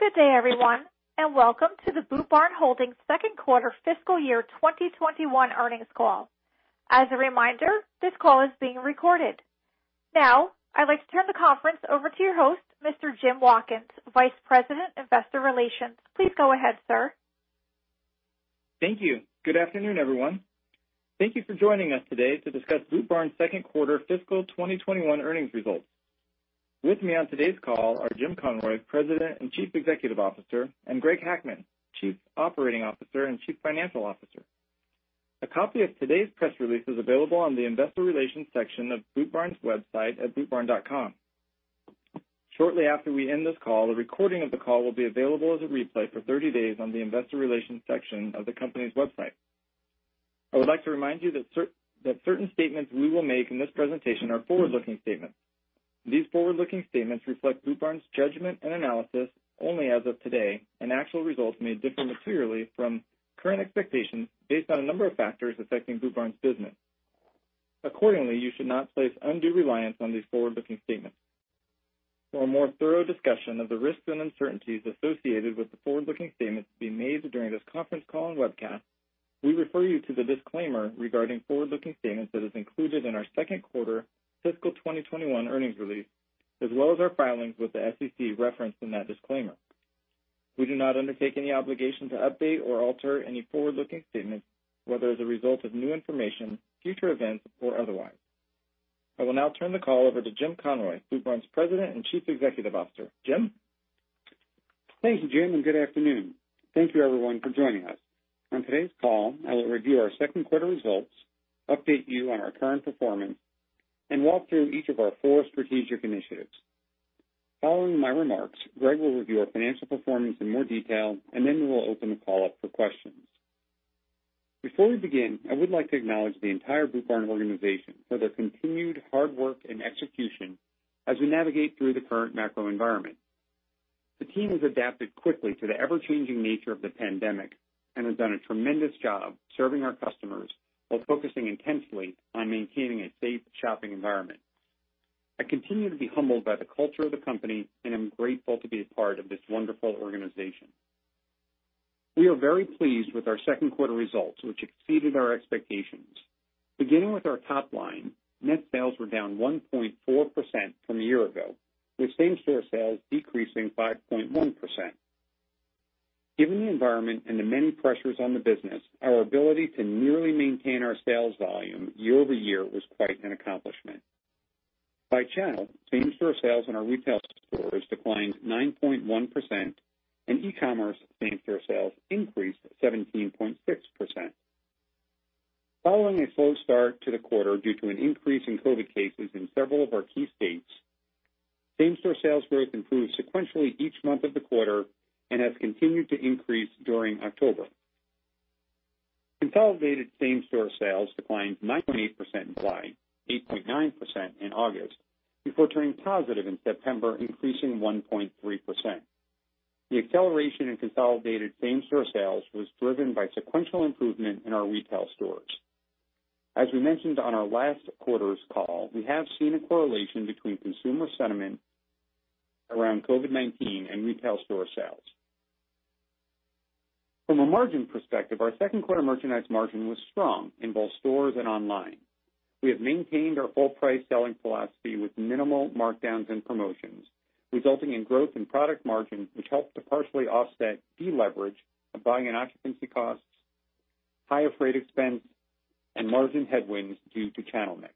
Good day, everyone, and welcome to the Boot Barn Holdings second quarter fiscal year 2021 earnings call. As a reminder, this call is being recorded. Now, I'd like to turn the conference over to your host, Mr. Jim Watkins, Vice President, Investor Relations. Please go ahead, sir. Thank you. Good afternoon, everyone. Thank you for joining us today to discuss Boot Barn's second quarter fiscal 2021 earnings results. With me on today's call are Jim Conroy, President and Chief Executive Officer, and Greg Hackman, Chief Operating Officer and Chief Financial Officer. A copy of today's press release is available on the investor relations section of Boot Barn's website at bootbarn.com. Shortly after we end this call, a recording of the call will be available as a replay for 30 days on the investor relations section of the company's website. I would like to remind you that certain statements we will make in this presentation are forward-looking statements. These forward-looking statements reflect Boot Barn's judgment and analysis only as of today, and actual results may differ materially from current expectations based on a number of factors affecting Boot Barn's business. Accordingly, you should not place undue reliance on these forward-looking statements. For a more thorough discussion of the risks and uncertainties associated with the forward-looking statements to be made during this conference call and webcast, we refer you to the disclaimer regarding forward-looking statements that is included in our second quarter fiscal 2021 earnings release, as well as our filings with the SEC referenced in that disclaimer. We do not undertake any obligation to update or alter any forward-looking statements, whether as a result of new information, future events, or otherwise. I will now turn the call over to Jim Conroy, Boot Barn's President and Chief Executive Officer. Jim? Thank you, Jim, and good afternoon. Thank you everyone for joining us. On today's call, I will review our second quarter results, update you on our current performance, and walk through each of our four strategic initiatives. Following my remarks, Greg will review our financial performance in more detail, and then we will open the call up for questions. Before we begin, I would like to acknowledge the entire Boot Barn organization for their continued hard work and execution as we navigate through the current macro environment. The team has adapted quickly to the ever-changing nature of the pandemic and has done a tremendous job serving our customers while focusing intensely on maintaining a safe shopping environment. I continue to be humbled by the culture of the company, and am grateful to be a part of this wonderful organization. We are very pleased with our second quarter results, which exceeded our expectations. Beginning with our top line, net sales were down 1.4% from a year ago, with same-store sales decreasing 5.1%. Given the environment and the many pressures on the business, our ability to nearly maintain our sales volume year-over-year was quite an accomplishment. By channel, same-store sales in our retail stores declined 9.1%, and e-commerce same-store sales increased 17.6%. Following a slow start to the quarter due to an increase in COVID cases in several of our key states, same-store sales growth improved sequentially each month of the quarter and has continued to increase during October. Consolidated same-store sales declined 9.8% in July, 8.9% in August, before turning positive in September, increasing 1.3%. The acceleration in consolidated same-store sales was driven by sequential improvement in our retail stores. As we mentioned on our last quarter's call, we have seen a correlation between consumer sentiment around COVID-19 and retail store sales. From a margin perspective, our second quarter merchandise margin was strong in both stores and online. We have maintained our full price selling philosophy with minimal markdowns and promotions, resulting in growth in product margin, which helped to partially offset deleverage of buying and occupancy costs, higher freight expense, and margin headwinds due to channel mix.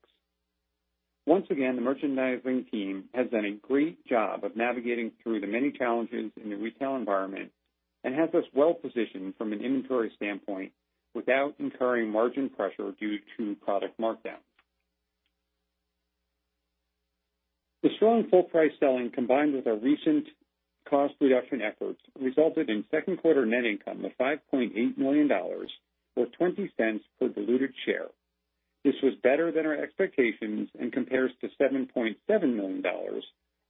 Once again, the merchandising team has done a great job of navigating through the many challenges in the retail environment and has us well positioned from an inventory standpoint without incurring margin pressure due to product markdown. The strong full price selling, combined with our recent cost reduction efforts, resulted in second quarter net income of $5.8 million, or $0.20 per diluted share. This was better than our expectations and compares to $7.7 million,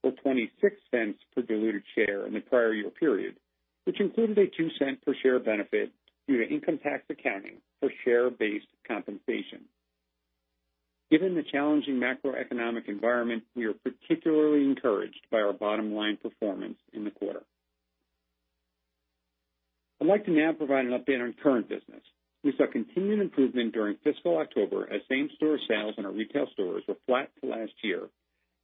or $0.26 per diluted share in the prior year period, which included a $0.02 per share benefit due to income tax accounting for share-based compensation. Given the challenging macroeconomic environment, we are particularly encouraged by our bottom-line performance in the quarter. I'd like to now provide an update on current business. We saw continued improvement during fiscal October as same-store sales in our retail stores were flat to last year,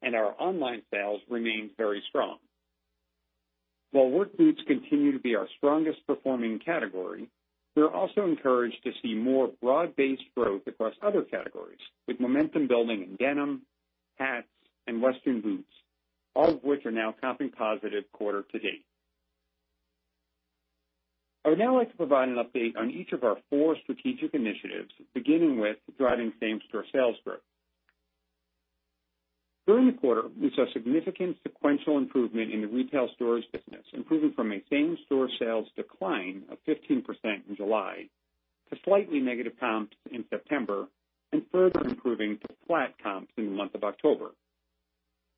and our online sales remained very strong. While work boots continue to be our strongest performing category, we are also encouraged to see more broad-based growth across other categories, with momentum building in denim, hats, and Western boots, all of which are now comping positive quarter-to-date. I would now like to provide an update on each of our four strategic initiatives, beginning with driving same-store sales growth. During the quarter, we saw significant sequential improvement in the retail stores business, improving from a same-store sales decline of 15% in July to slightly negative comps in September, and further improving to flat comps in the month of October.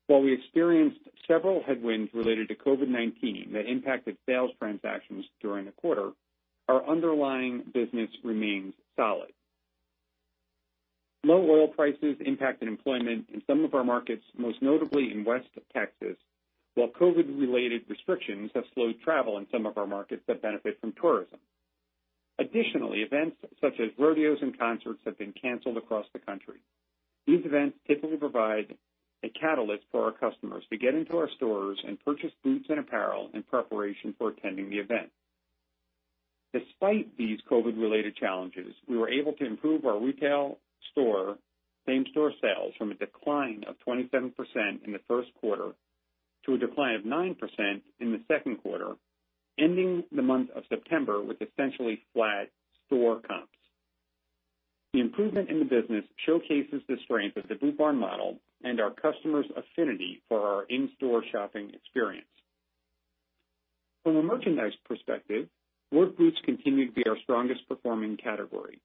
While we experienced several headwinds related to COVID-19 that impacted sales transactions during the quarter, our underlying business remains solid. Low oil prices impacted employment in some of our markets, most notably in West Texas, while COVID-related restrictions have slowed travel in some of our markets that benefit from tourism. Additionally, events such as rodeos and concerts have been canceled across the country. These events typically provide a catalyst for our customers to get into our stores and purchase boots and apparel in preparation for attending the event. Despite these COVID-related challenges, we were able to improve our retail store same-store sales from a decline of 27% in the first quarter to a decline of 9% in the second quarter, ending the month of September with essentially flat store comps. The improvement in the business showcases the strength of the Boot Barn model and our customers' affinity for our in-store shopping experience. From a merchandise perspective, work boots continue to be our strongest performing category.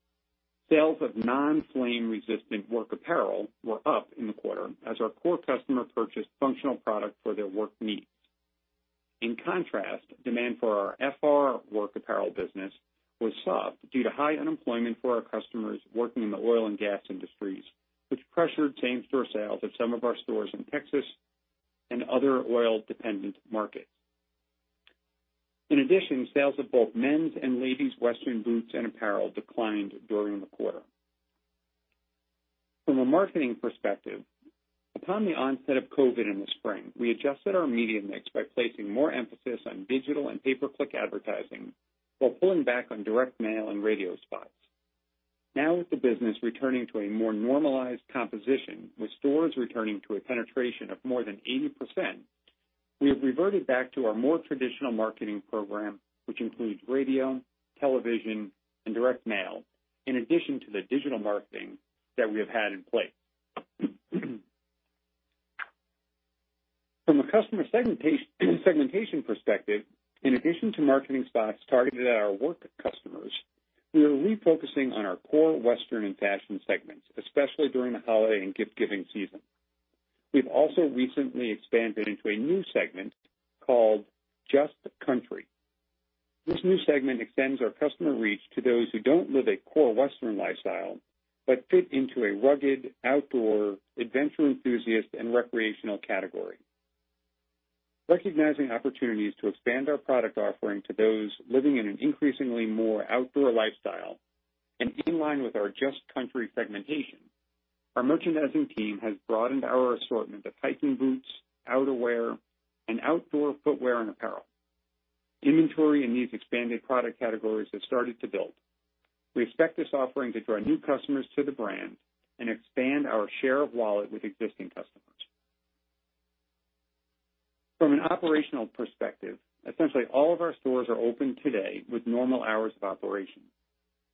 Sales of non-flame resistant work apparel were up in the quarter as our core customer purchased functional product for their work needs. In contrast, demand for our FR work apparel business was soft due to high unemployment for our customers working in the oil and gas industries, which pressured same-store sales at some of our stores in Texas and other oil-dependent markets. In addition, sales of both men's and ladies' Western boots and apparel declined during the quarter. From a marketing perspective, upon the onset of COVID in the spring, we adjusted our media mix by placing more emphasis on digital and pay-per-click advertising while pulling back on direct mail and radio spots. Now with the business returning to a more normalized composition, with stores returning to a penetration of more than 80%, we have reverted back to our more traditional marketing program, which includes radio, television, and direct mail, in addition to the digital marketing that we have had in place. From a customer segmentation perspective, in addition to marketing spots targeted at our work customers, we are refocusing on our core Western and fashion segments, especially during the holiday and gift-giving season. We've also recently expanded into a new segment called Just Country. This new segment extends our customer reach to those who don't live a core Western lifestyle but fit into a rugged outdoor adventure enthusiast and recreational category. Recognizing opportunities to expand our product offering to those living in an increasingly more outdoor lifestyle and in line with our Just Country segmentation, our merchandising team has broadened our assortment of hiking boots, outerwear, and outdoor footwear and apparel. Inventory in these expanded product categories has started to build. We expect this offering to draw new customers to the brand and expand our share of wallet with existing customers. From an operational perspective, essentially all of our stores are open today with normal hours of operation.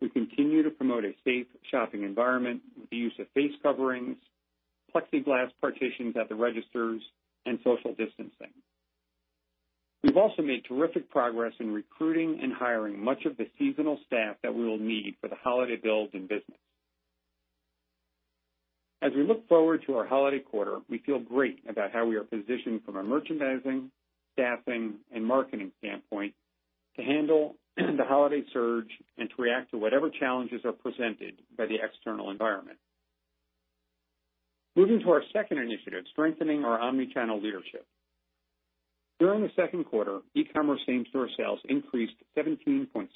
We continue to promote a safe shopping environment with the use of face coverings, plexiglass partitions at the registers, and social distancing. We've also made terrific progress in recruiting and hiring much of the seasonal staff that we will need for the holiday build and business. As we look forward to our holiday quarter, we feel great about how we are positioned from a merchandising, staffing, and marketing standpoint to handle the holiday surge and to react to whatever challenges are presented by the external environment. Moving to our second initiative, strengthening our omnichannel leadership. During the second quarter, e-commerce same-store sales increased 17.6%,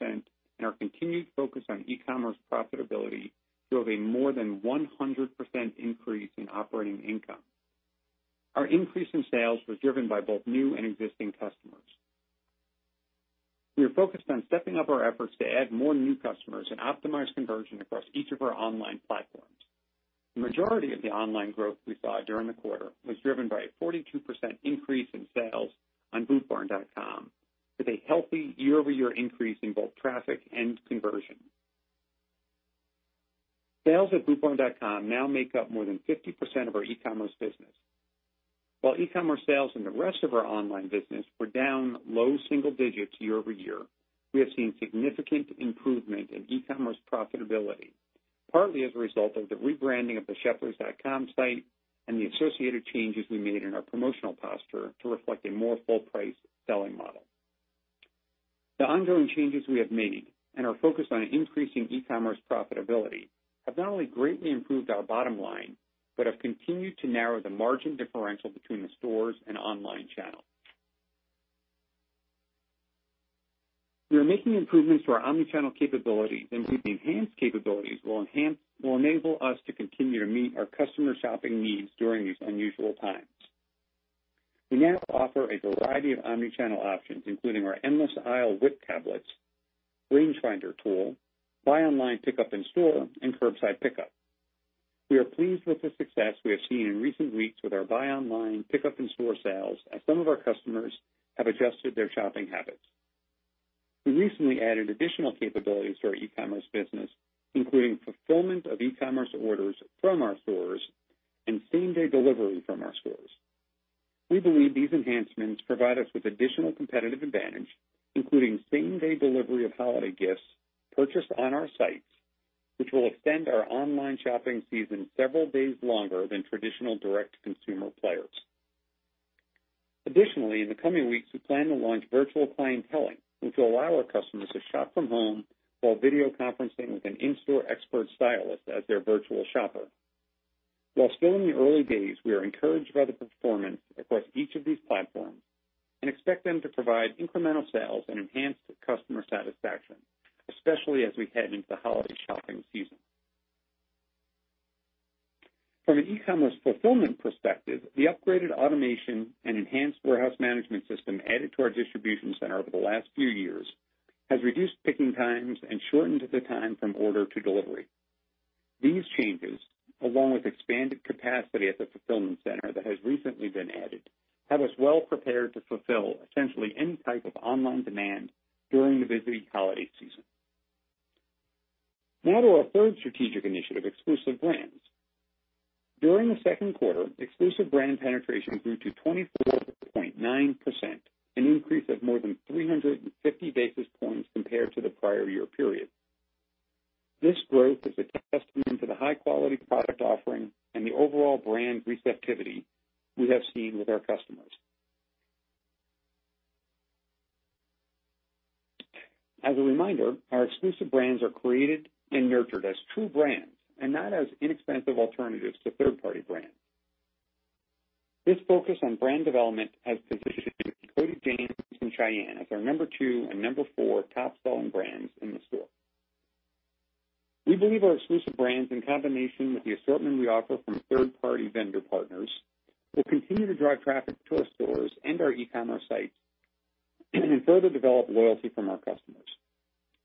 and our continued focus on e-commerce profitability drove a more than 100% increase in operating income. Our increase in sales was driven by both new and existing customers. We are focused on stepping up our efforts to add more new customers and optimize conversion across each of our online platforms. The majority of the online growth we saw during the quarter was driven by a 42% increase in sales on bootbarn.com, with a healthy year-over-year increase in both traffic and conversion. Sales at bootbarn.com now make up more than 50% of our e-commerce business. While e-commerce sales in the rest of our online business were down low single digits year-over-year, we have seen significant improvement in e-commerce profitability, partly as a result of the rebranding of the sheplers.com site and the associated changes we made in our promotional posture to reflect a more full-price selling model. The ongoing changes we have made and our focus on increasing e-commerce profitability have not only greatly improved our bottom line but have continued to narrow the margin differential between the stores and online channel. We are making improvements to our omnichannel capabilities, and these enhanced capabilities will enable us to continue to meet our customer shopping needs during these unusual times. We now offer a variety of omnichannel options, including our Endless Aisle with tablets, RangeFinder tool, buy online pickup in store, and curbside pickup. We are pleased with the success we have seen in recent weeks with our buy online pickup in store sales as some of our customers have adjusted their shopping habits. We recently added additional capabilities to our e-commerce business, including fulfillment of e-commerce orders from our stores and same-day delivery from our stores. We believe these enhancements provide us with additional competitive advantage, including same-day delivery of holiday gifts purchased on our sites, which will extend our online shopping season several days longer than traditional direct consumer players. Additionally, in the coming weeks, we plan to launch virtual clienteling, which will allow our customers to shop from home while video conferencing with an in-store expert stylist as their virtual shopper. While still in the early days, we are encouraged by the performance across each of these platforms and expect them to provide incremental sales and enhance customer satisfaction, especially as we head into the holiday shopping season. From an e-commerce fulfillment perspective, the upgraded automation and enhanced warehouse management system added to our distribution center over the last few years has reduced picking times and shortened the time from order to delivery. These changes, along with expanded capacity at the fulfillment center that has recently been added, have us well prepared to fulfill essentially any type of online demand during the busy holiday season. Now to our third strategic initiative, exclusive brands. During the second quarter, exclusive brand penetration grew to 24.9%, an increase of more than 350 basis points compared to the prior year period. This growth is a testament to the high-quality product offering and the overall brand receptivity we have seen with our customers. As a reminder, our exclusive brands are created and nurtured as true brands and not as inexpensive alternatives to third-party brands. This focus on brand development has positioned Cody James and Shyanne as our number two and number four top-selling brands in the store. We believe our exclusive brands, in combination with the assortment we offer from third-party vendor partners, will continue to drive traffic to our stores and our e-commerce site, and further develop loyalty from our customers.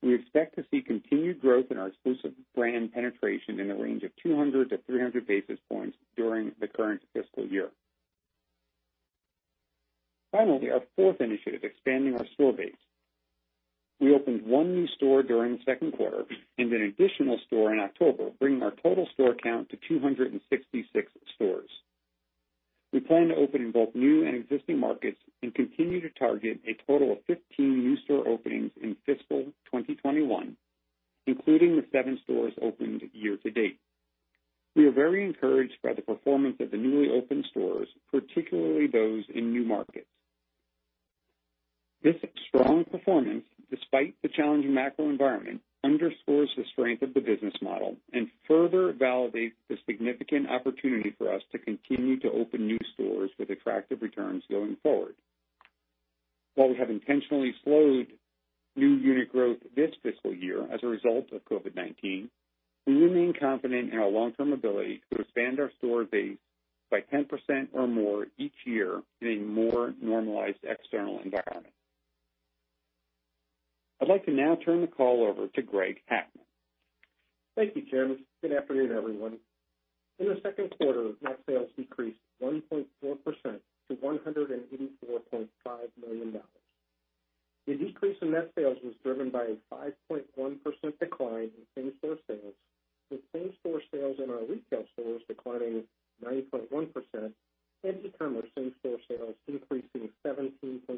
We expect to see continued growth in our exclusive brand penetration in the range of 200-300 basis points during the current fiscal year. Finally, our fourth initiative, expanding our store base. We opened one new store during the second quarter and an additional store in October, bringing our total store count to 266 stores. We plan to open in both new and existing markets and continue to target a total of 15 new store openings in fiscal 2021, including the seven stores opened year to date. We are very encouraged by the performance of the newly opened stores, particularly those in new markets. This strong performance, despite the challenging macro environment, underscores the strength of the business model and further validates the significant opportunity for us to continue to open new stores with attractive returns going forward. While we have intentionally slowed new unit growth this fiscal year as a result of COVID-19, we remain confident in our long-term ability to expand our store base by 10% or more each year in a more normalized external environment. I'd like to now turn the call over to Greg Hackman. Thank you, Jim. Good afternoon, everyone. In the second quarter, net sales decreased 1.4% to $184.5 million. The decrease in net sales was driven by a 5.1% decline in same-store sales, with same-store sales in our retail stores declining 9.1% and e-commerce same-store sales increasing 17.6%.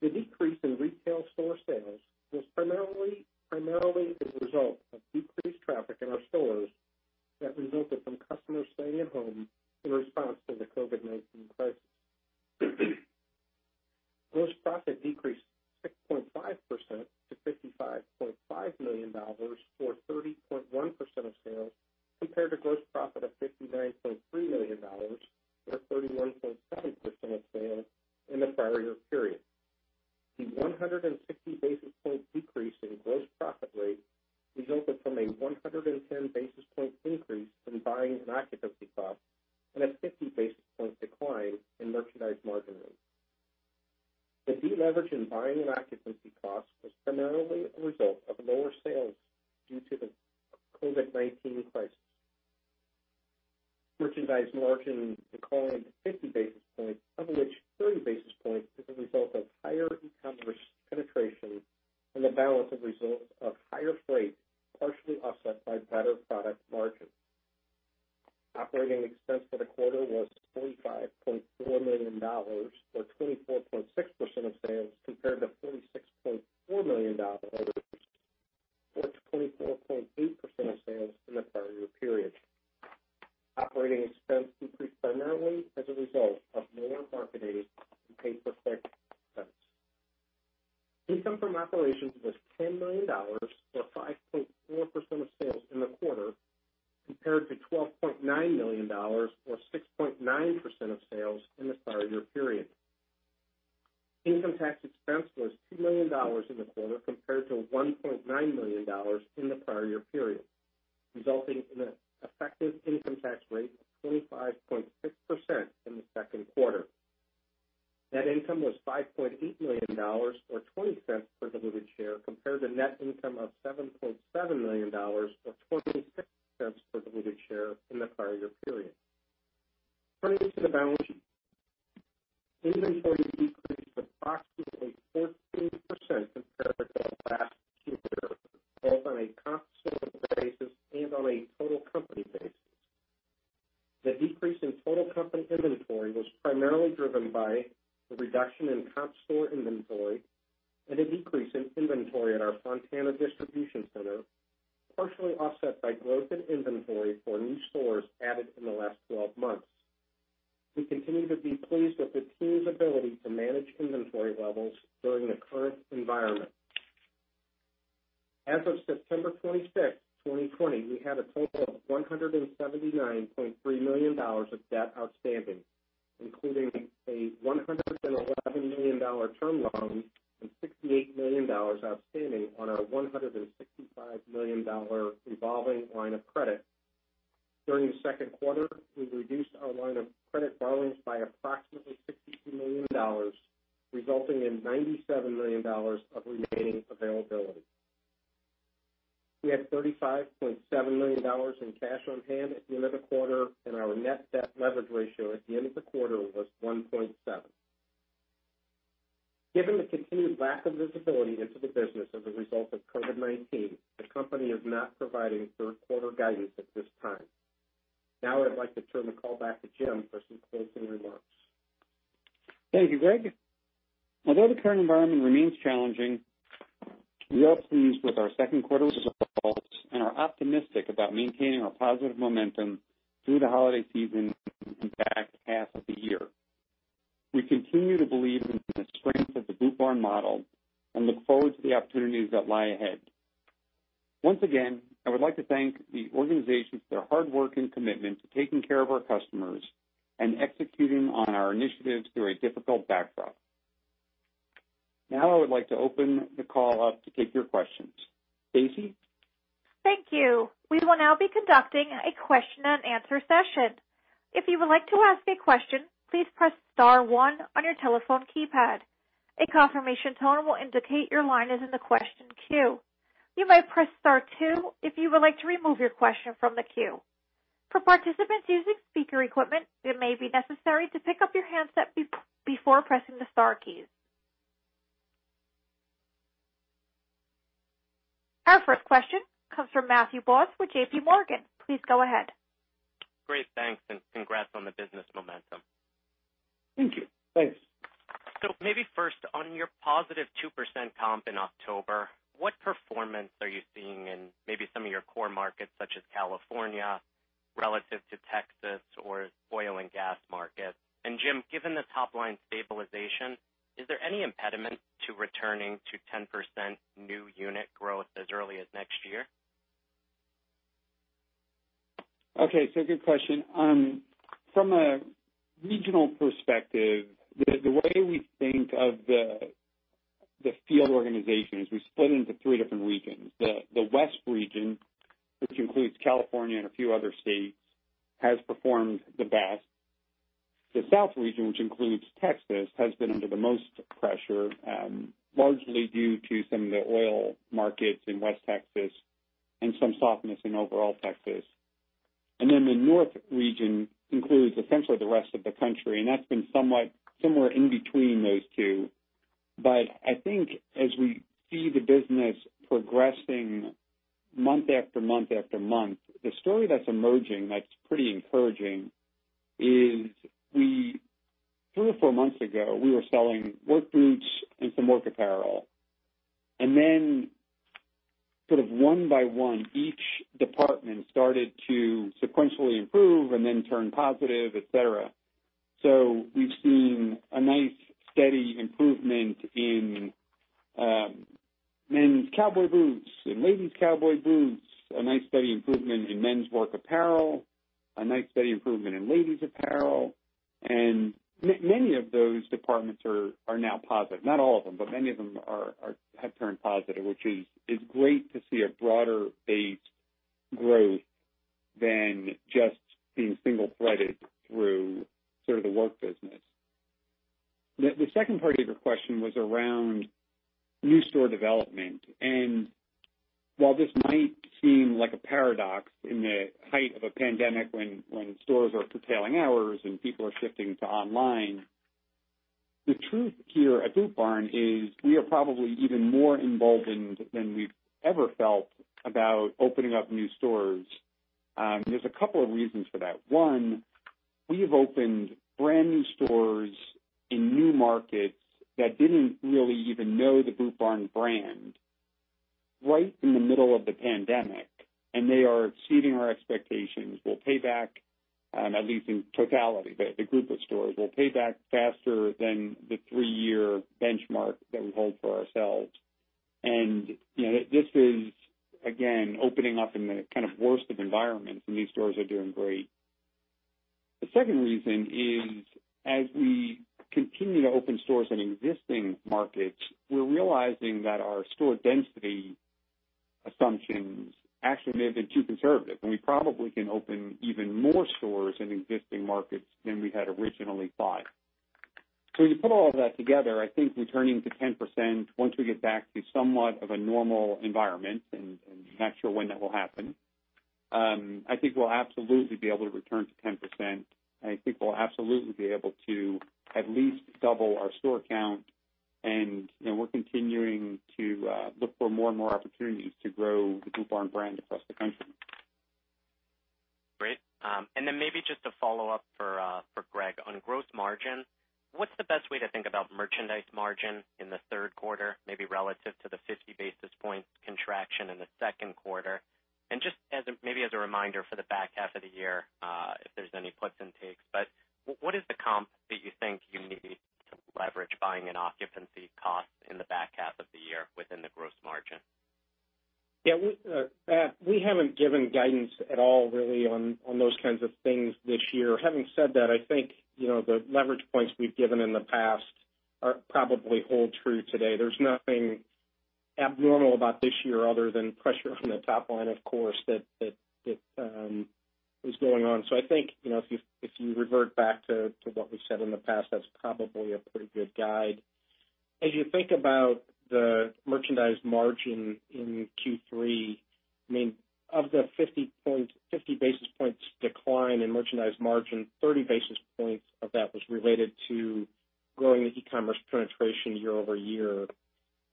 The decrease in retail store sales was primarily the result of decreased traffic in our stores that resulted from customers staying at home in response to the COVID-19 crisis. Gross profit decreased 6.5% to $55.5 million or 30.1% of sales, compared to gross profit of $59.3 million or 31.7% of sales in the prior year period. The 160 basis point decrease in gross profit rate resulted from a 110 basis point increase in buying and occupancy costs and a 50 basis point decline in merchandise margin rate. The deleverage in buying and occupancy costs was primarily a result of lower sales due to the COVID-19 crisis. Merchandise margin declined 50 basis points, of which 30 basis points is a result of higher e-commerce penetration and the balance is a result of higher freight, partially offset by better product margin. Operating expense for the quarter was $45.4 million or 24.6% of sales, compared to $46.4 million or 24.8% of sales in the prior year period. Operating expense increased primarily as a result of more marketing and pay-per-click expense. Income from operations was $10 million or 5.4% of sales in the quarter, compared to $12.9 million or 6.9% of sales in the prior year period. Income tax expense was $2 million in the quarter compared to $1.9 million in the prior year period, resulting in an effective income tax rate of 25.6% in the second quarter. Net income was $5.8 million or $0.20 per diluted share compared to net income of $7.7 million or $0.26 and on Maybe first on your +2% comp in October, what performance are you seeing in maybe some of your core markets, such as California relative to Texas or oil and gas markets? Jim, given the top-line stabilization, is there any impediment to returning to 10% new unit growth as early as next year? Okay, good question. From a regional perspective, the way we think of the field organization is we split it into three different regions. The West region, which includes California and a few other states, has performed the best. The South region, which includes Texas, has been under the most pressure, largely due to some of the oil markets in West Texas and some softness in overall Texas. The North region includes essentially the rest of the country, and that's been somewhat similar in between those two. I think as we see the business progressing month after month after month, the story that's emerging that's pretty encouraging is three or four months ago, we were selling work boots and some work apparel. Sort of one by one, each department started to sequentially improve and then turn positive, et cetera. We've seen a nice steady improvement in men's cowboy boots and ladies cowboy boots, a nice steady improvement in men's work apparel, a nice steady improvement in ladies apparel. Many of those departments are now positive. Not all of them, but many of them have turned positive, which is great to see a broader-based growth than just being single-threaded through sort of the work business. The second part of your question was around new store development. While this might seem like a paradox in the height of a pandemic, when stores are curtailing hours and people are shifting to online, the truth here at Boot Barn is we are probably even more emboldened than we've ever felt about opening up new stores. There's a couple of reasons for that. One, we've opened brand-new stores in new markets that didn't really even know the Boot Barn brand right in the middle of the pandemic, and they are exceeding our expectations. We'll pay back, at least in totality, the group of stores will pay back faster than the three-year benchmark that we hold for ourselves. This is, again, opening up in the kind of worst of environments, and these stores are doing great. The second reason is, as we continue to open stores in existing markets, we're realizing that our store density assumptions actually may have been too conservative, and we probably can open even more stores in existing markets than we had originally thought. When you put all of that together, I think returning to 10%, once we get back to somewhat of a normal environment, and I'm not sure when that will happen, I think we'll absolutely be able to return to 10%. I think we'll absolutely be able to at least double our store count and we're continuing to look for more and more opportunities to grow the Boot Barn brand across the country. Then maybe just a follow-up for Greg. On gross margin, what's the best way to think about merchandise margin in the third quarter, maybe relative to the 50 basis points contraction in the second quarter? Just maybe as a reminder for the back half of the year, if there's any puts and takes, but what is the comp that you think you need to leverage buying and occupancy costs in the back half of the year within the gross margin? Yeah. Matt, we haven't given guidance at all really on those kinds of things this year. Having said that, I think, the leverage points we've given in the past probably hold true today. There's nothing abnormal about this year other than pressure from the top line, of course, that is going on. I think, if you revert back to what we've said in the past, that's probably a pretty good guide. As you think about the merchandise margin in Q3, of the 50 basis points decline in merchandise margin, 30 basis points of that was related to growing the e-commerce penetration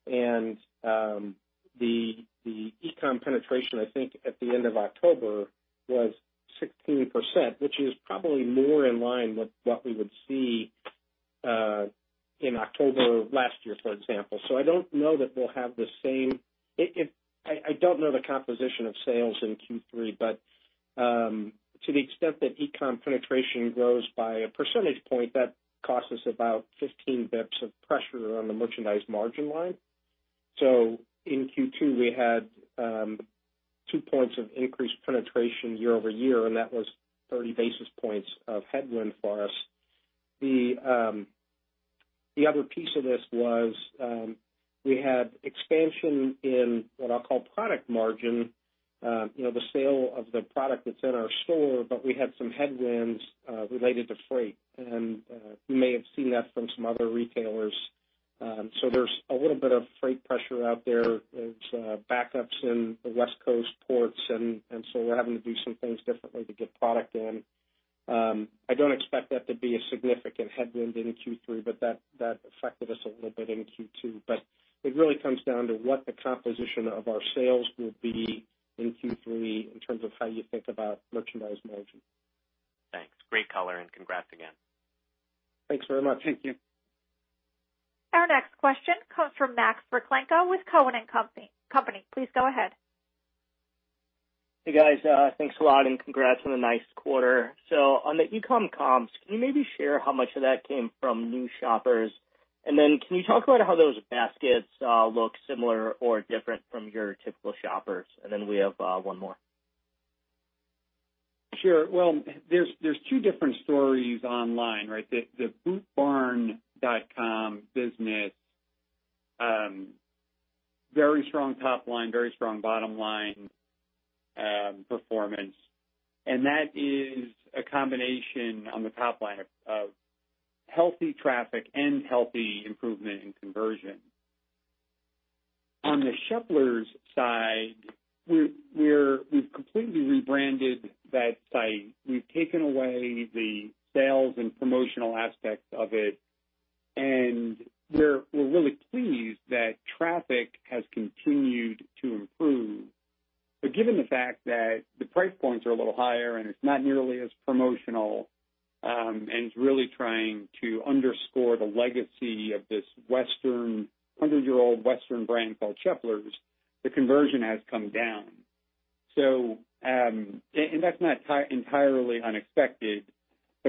year-over-year. The e-comm penetration, I think at the end of October was 16%, which is probably more in line with what we would see in October last year, for example. I don't know the composition of sales in Q3, but, to the extent that e-comm penetration grows by a percentage point, that costs us about 15 basis points of pressure on the merchandise margin line. In Q2, we had two points of increased penetration year-over-year, and that was 30 basis points of headwind for us. The other piece of this was, we had expansion in what I'll call product margin, the sale of the product that's in our store, but we had some headwinds related to freight. You may have seen that from some other retailers. There's a little bit of freight pressure out there. There's backups in the West Coast ports, and so we're having to do some things differently to get product in. I don't expect that to be a significant headwind in Q3, but that affected us a little bit in Q2. It really comes down to what the composition of our sales will be in Q3 in terms of how you think about merchandise margin. Thanks. Great color, and congrats again. Thanks very much. Thank you. Our next question comes from Max Rakhlenko with Cowen and Company. Please go ahead. Hey, guys. Thanks a lot and congrats on a nice quarter. On the e-comm comps, can you maybe share how much of that came from new shoppers? Can you talk about how those baskets look similar or different from your typical shoppers? We have one more. Sure. Well, there's two different stories online, right? The bootbarn.com business, very strong top line, very strong bottom-line performance. That is a combination on the top line of healthy traffic and healthy improvement in conversion. On the Sheplers side, we've completely rebranded that site. We've taken away the sales and promotional aspects of it, and we're really pleased that traffic has continued to improve. Given the fact that the price points are a little higher and it's not nearly as promotional, and it's really trying to underscore the legacy of this 100-year-old western brand called Sheplers, the conversion has come down. That's not entirely unexpected,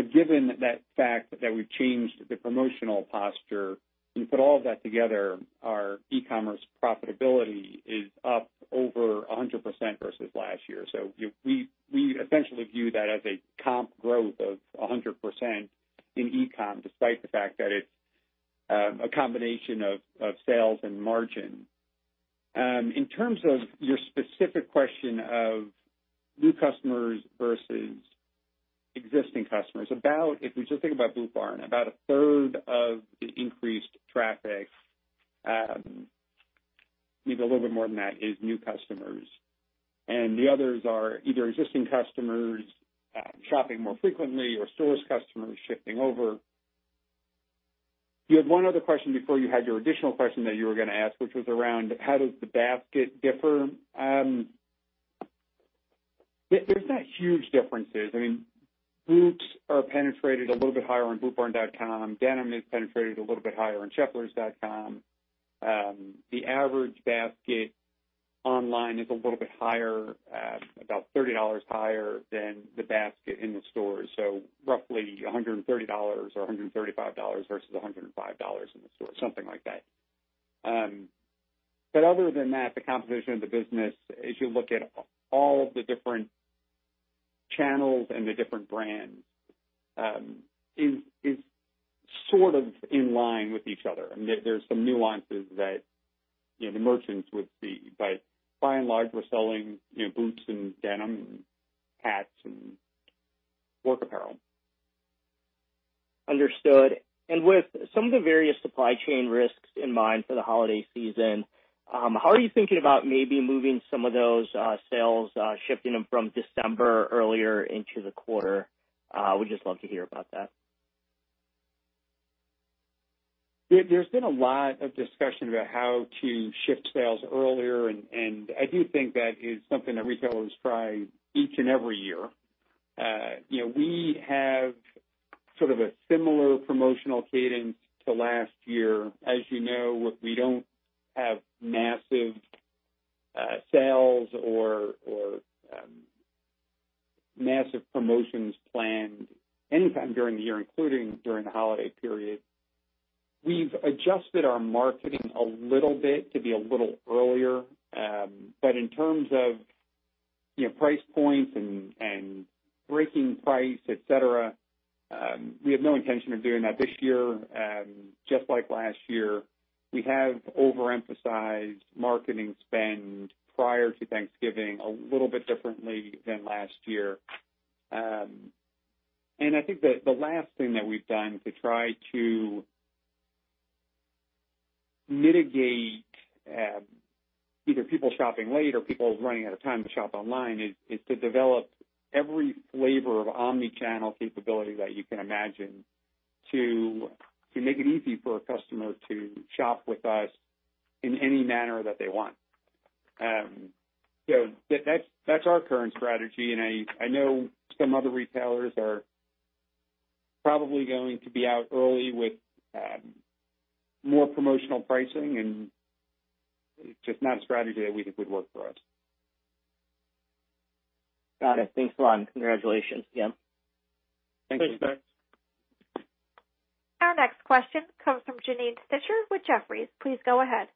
but given that fact that we've changed the promotional posture, you put all of that together, our e-commerce profitability is up over 100% versus last year. We essentially view that as a comp growth of 100% in e-comm, despite the fact that it's a combination of sales and margin. In terms of your specific question of new customers versus existing customers, if we just think about Boot Barn, about a third of the increased traffic, maybe a little bit more than that, is new customers. The others are either existing customers shopping more frequently or stores customers shifting over. You had one other question before you had your additional question that you were going to ask, which was around how does the basket differ. There's not huge differences. I mean, boots are penetrated a little bit higher on bootbarn.com. Denim is penetrated a little bit higher on sheplers.com. The average basket online is a little bit higher, about $30 higher than the basket in the store. Roughly $130 or $135 versus $105 in the store, something like that. Other than that, the composition of the business, as you look at all of the different channels and the different brands, is sort of in line with each other. I mean, there's some nuances that the merchants would see, but by and large, we're selling boots and denim and hats and work apparel. Understood. With some of the various supply chain risks in mind for the holiday season, how are you thinking about maybe moving some of those sales, shifting them from December earlier into the quarter? Would just love to hear about that. There's been a lot of discussion about how to shift sales earlier. I do think that is something that retailers try each and every year. We have sort of a similar promotional cadence to last year. As you know, we don't have massive sales or massive promotions planned anytime during the year, including during the holiday period. We've adjusted our marketing a little bit to be a little earlier. In terms of price points and breaking price, et cetera, we have no intention of doing that this year, just like last year. We have overemphasized marketing spend prior to Thanksgiving a little bit differently than last year. I think that the last thing that we've done to try to mitigate either people shopping late or people running out of time to shop online is to develop every flavor of omni-channel capability that you can imagine to make it easy for a customer to shop with us in any manner that they want. That's our current strategy, and I know some other retailers are probably going to be out early with more promotional pricing and it's just not a strategy that we think would work for us. Got it. Thanks a lot. Congratulations, Jim. Thank you. Thanks, guys. Our next question comes from Janine Stichter with Jefferies. Please go ahead.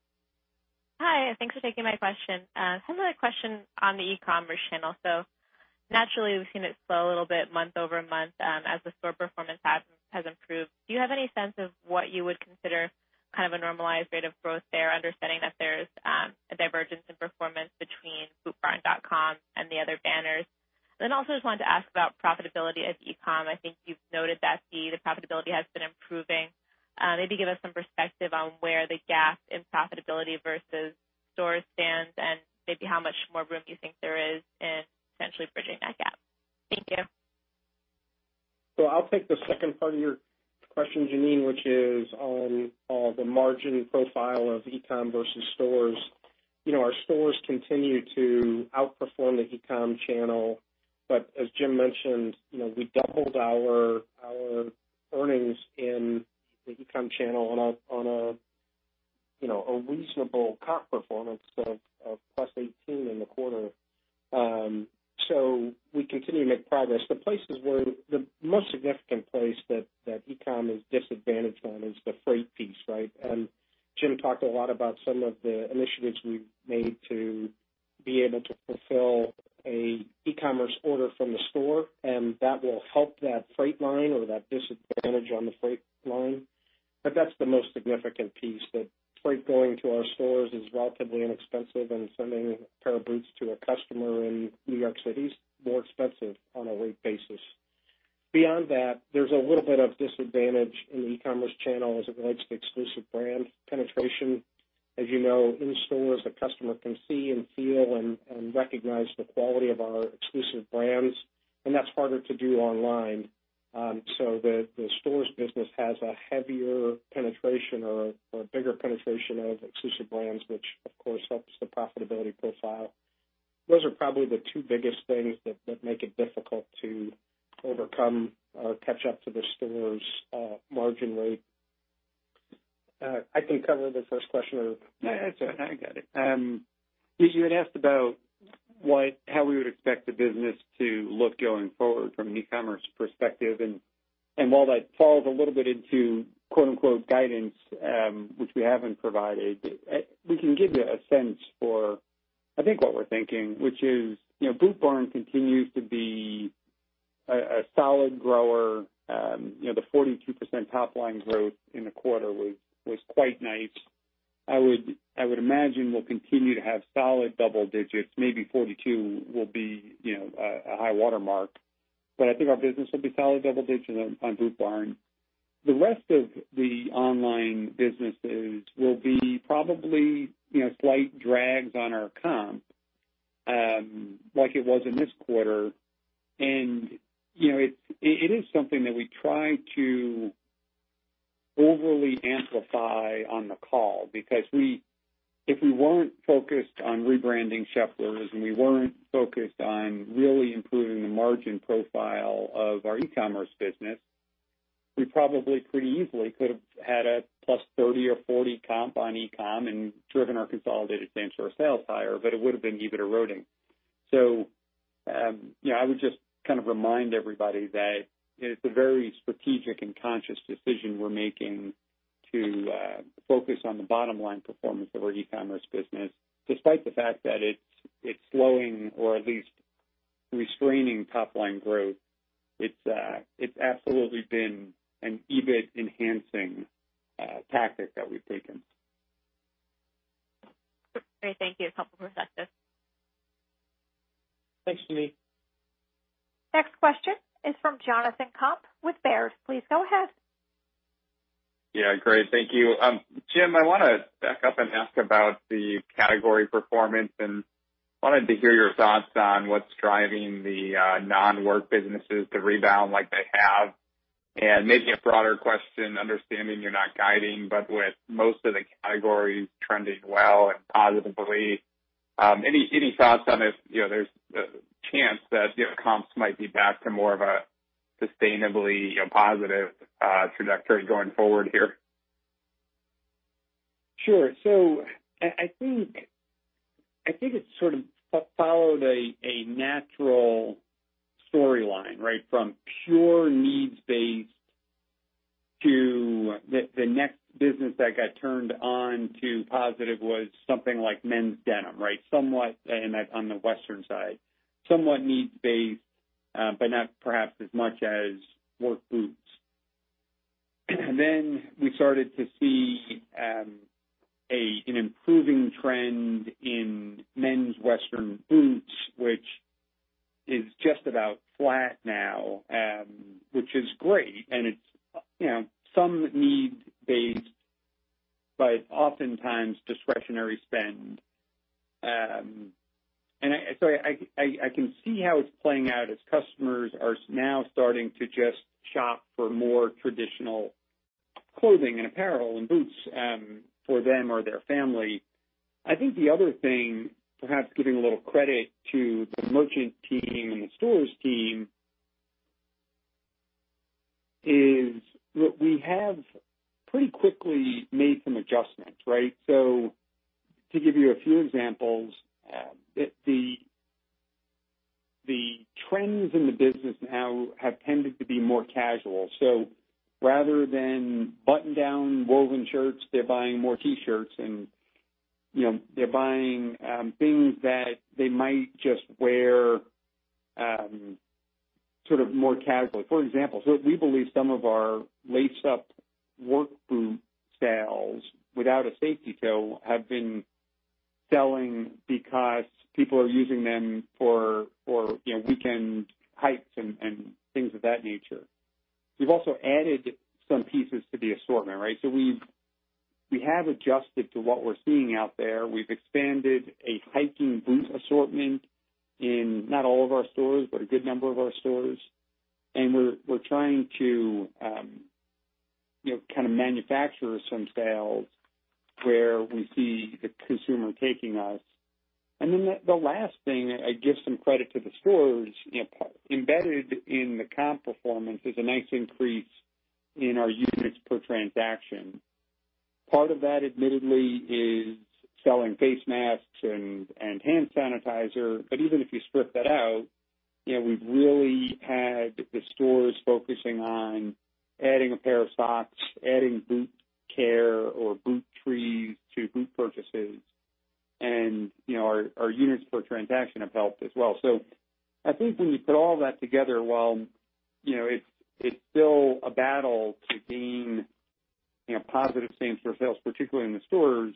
Hi, thanks for taking my question. Similar question on the e-commerce channel. Naturally, we've seen it slow a little bit month-over-month as the store performance has improved. Do you have any sense of what you would consider kind of a normalized rate of growth there, understanding that there's a divergence in performance between bootbarn.com and the other banners? Also just wanted to ask about profitability as e-com. I think you've noted that the profitability has been improving. Maybe give us some perspective on where the gap in profitability versus stores stands and maybe how much more room you think there is in essentially bridging that gap. Thank you. I'll take the second part of your question, Janine, which is on the margin profile of e-com versus stores. Our stores continue to outperform the e-com channel. As Jim mentioned, we doubled our earnings in the e-com channel on a reasonable comp performance of +18% in the quarter. We continue to make progress. The most significant place that e-com is disadvantaged on is the freight piece, right? Jim talked a lot about some of the initiatives we've made to be able to fulfill an e-commerce order from the store, and that will help that freight line or that disadvantage on the freight line. That's the most significant piece, that freight going to our stores is relatively inexpensive and sending a pair of boots to a customer in New York City is more expensive on a rate basis. Beyond that, there's a little bit of disadvantage in the e-commerce channel as it relates to exclusive brand penetration. As you know, in stores, a customer can see and feel and recognize the quality of our exclusive brands, and that's harder to do online. The stores business has a heavier penetration or a bigger penetration of exclusive brands, which of course helps the profitability profile. Those are probably the two biggest things that would make it difficult to overcome or catch up to the stores' margin rate. I can cover the first question or- No, that's all right. I got it. You had asked about how we would expect the business to look going forward from an e-commerce perspective. While that falls a little bit into "guidance," which we haven't provided, we can give you a sense for, I think, what we're thinking, which is Boot Barn continues to be a solid grower. The 42% top-line growth in the quarter was quite nice. I would imagine we'll continue to have solid double digits. Maybe 42 will be a high watermark, but I think our business will be solid double digits on Boot Barn. The rest of the online businesses will be probably slight drags on our comp, like it was in this quarter. It is something that we try to overly amplify on the call because if we weren't focused on rebranding Sheplers and we weren't focused on really improving the margin profile of our e-commerce business, we probably pretty easily could have had a plus 30 or 40 comp on e-com and driven our consolidated same-store sales higher, but it would have been EBIT eroding. I would just kind of remind everybody that it's a very strategic and conscious decision we're making to focus on the bottom-line performance of our e-commerce business. Despite the fact that it's slowing or at least restraining top-line growth, it's absolutely been an EBIT-enhancing tactic that we've taken. Great. Thank you. Helpful perspective. Thanks, Janine. Next question is from Jonathan Komp with Baird. Please go ahead. Yeah, great. Thank you. Jim, I want to back up and ask about the category performance and I wanted to hear your thoughts on what's driving the non-work businesses to rebound like they have. Maybe a broader question, understanding you're not guiding, but with most of the categories trending well and positively, any thoughts on if there's a chance that comps might be back to more of a sustainably positive trajectory going forward here? Sure. I think it sort of followed a natural storyline, from pure needs-based to the next business that got turned on to positive was something like men's denim. Somewhat on the Western side. Somewhat needs-based, but not perhaps as much as work boots. We started to see an improving trend in men's Western boots, which is just about flat now, which is great, and it's some needs-based, but oftentimes discretionary spend. I can see how it's playing out as customers are now starting to just shop for more traditional clothing and apparel and boots for them or their family. I think the other thing, perhaps giving a little credit to the merchant team and the stores team, is that we have pretty quickly made some adjustments. To give you a few examples, the trends in the business now have tended to be more casual. Rather than button-down woven shirts, they're buying more T-shirts and they're buying things that they might just wear sort of more casually. For example, we believe some of our lace-up work boot styles without a safety toe have been selling because people are using them for weekend hikes and things of that nature. We've also added some pieces to the assortment. We have adjusted to what we're seeing out there. We've expanded a hiking boot assortment in, not all of our stores, but a good number of our stores. We're trying to kind of manufacture some styles where we see the consumer taking us. Then the last thing, I give some credit to the stores. Embedded in the comp performance is a nice increase in our units per transaction. Part of that, admittedly, is selling face masks and hand sanitizer. Even if you strip that out, we've really had the stores focusing on adding a pair of socks, adding boot care, or boot trees to boot purchases. Our units per transaction have helped as well. I think when you put all that together, while it's still a battle to gain positive same store sales, particularly in the stores,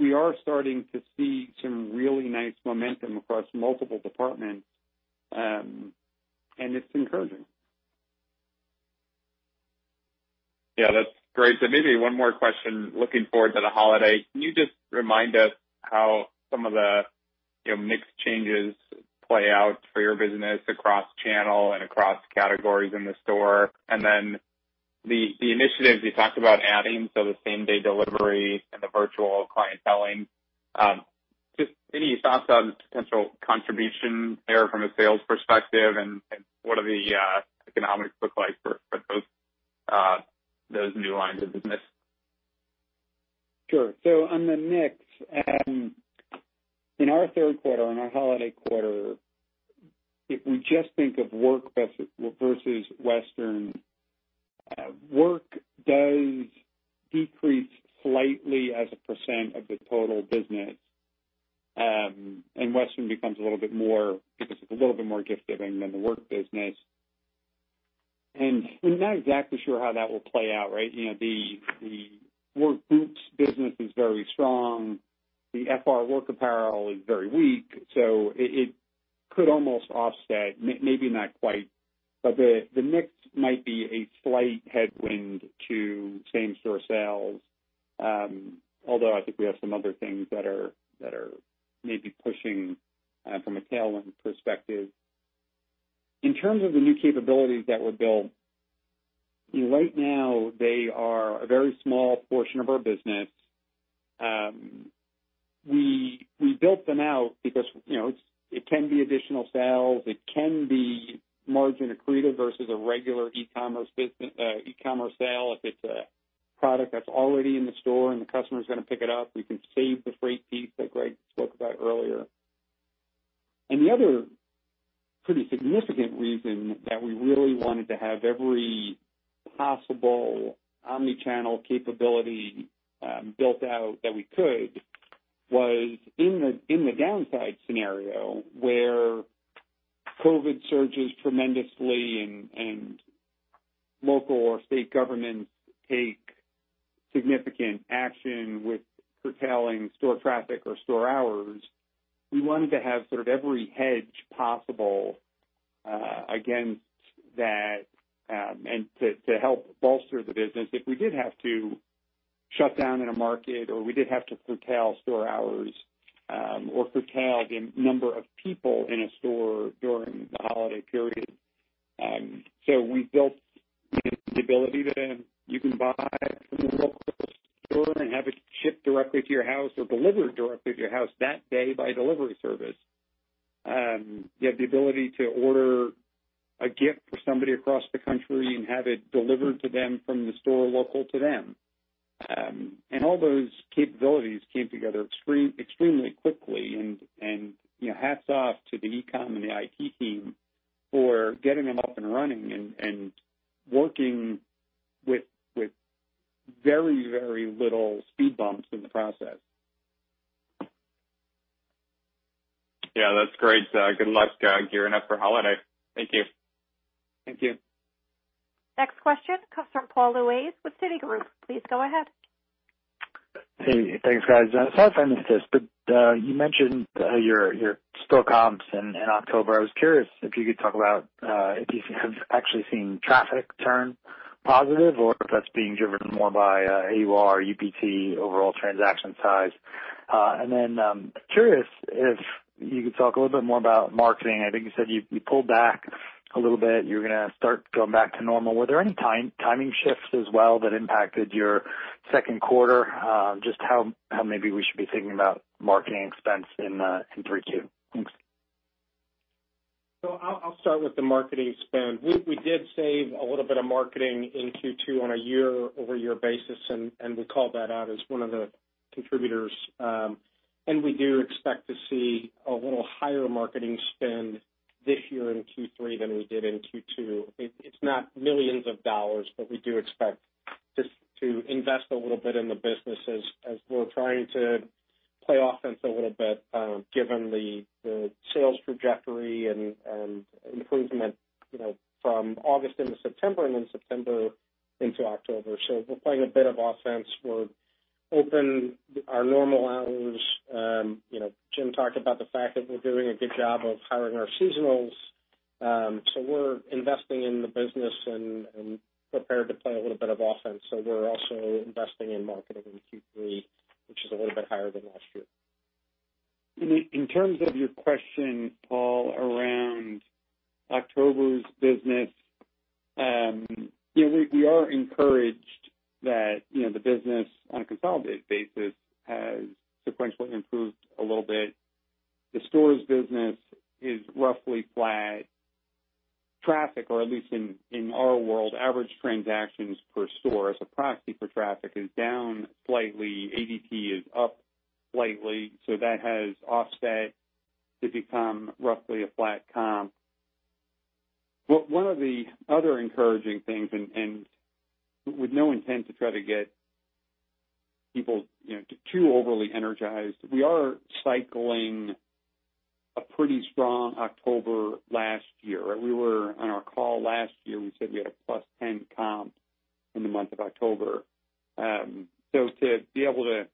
we are starting to see some really nice momentum across multiple departments, and it's encouraging. Yeah, that's great. Maybe one more question, looking forward to the holiday. Can you just remind us how some of the mix changes play out for your business across channel and across categories in the store? The initiatives you talked about adding, the same-day delivery and the virtual clienteling. Just any thoughts on the potential contribution there from a sales perspective and what do the economics look like for those new lines of business? Sure. On the mix, in our third quarter, in our holiday quarter, if we just think of work versus Western, work does decrease slightly as a % of the total business, and Western becomes a little bit more because it's a little bit more gift-giving than the work business. We're not exactly sure how that will play out. The work boots business is very strong. The FR work apparel is very weak. It could almost offset, maybe not quite, but the mix might be a slight headwind to same store sales. Although I think we have some other things that are maybe pushing from a tailwind perspective. In terms of the new capabilities that were built, right now they are a very small portion of our business. We built them out because it can be additional sales. It can be margin accretive versus a regular e-commerce sale. If it's a product that's already in the store and the customer's going to pick it up, we can save the freight piece that Greg spoke about earlier. The other pretty significant reason that we really wanted to have every possible omni-channel capability built out that we could, was in the downside scenario where COVID surges tremendously and local or state governments take significant action with curtailing store traffic or store hours. We wanted to have sort of every hedge possible against that, and to help bolster the business if we did have to shut down in a market, or we did have to curtail store hours, or curtail the number of people in a store during the holiday period. We built the ability that you can buy from a local store and have it shipped directly to your house or delivered directly to your house that day by delivery service. You have the ability to order a gift for somebody across the country and have it delivered to them from the store local to them. All those capabilities came together extremely quickly and hats off to the e-com and the IT team for getting them up and running and working with very, very little speed bumps in the process. Yeah, that's great. Good luck gearing up for holiday. Thank you. Thank you. Next question comes from Paul Lejuez with Citigroup. Please go ahead. Hey, thanks, guys. Sorry if I missed this, you mentioned your store comps in October. I was curious if you could talk about if you have actually seen traffic turn positive or if that's being driven more by AUR, UPT, overall transaction size. Curious if you could talk a little bit more about marketing. I think you said you pulled back a little bit, you're going to start going back to normal. Were there any timing shifts as well that impacted your second quarter? Just how maybe we should be thinking about marketing expense in 3Q. Thanks. I'll start with the marketing spend. We did save a little bit of marketing in Q2 on a year-over-year basis, and we called that out as one of the contributors. We do expect to see a little higher marketing spend this year in Q3 than we did in Q2. It's not millions of dollars, but we do expect just to invest a little bit in the business as we're trying to play offense a little bit given the sales trajectory and improvement from August into September and then September into October. We're playing a bit of offense. We're open our normal hours. Jim talked about the fact that we're doing a good job of hiring our seasonals. We're investing in the business and prepared to play a little bit of offense. We're also investing in marketing in Q3, which is a little bit higher than last year. In terms of your question, Paul, around October's business, we are encouraged that the business on a consolidated basis has sequentially improved a little bit. The stores business is roughly flat. Traffic, or at least in our world, average transactions per store as a proxy for traffic is down slightly. ADT is up slightly. That has offset to become roughly a flat comp. One of the other encouraging things, and with no intent to try to get people too overly energized, we are cycling a pretty strong October last year. We were on our call last year, we said we had a +10% comp in the month of October. To be able to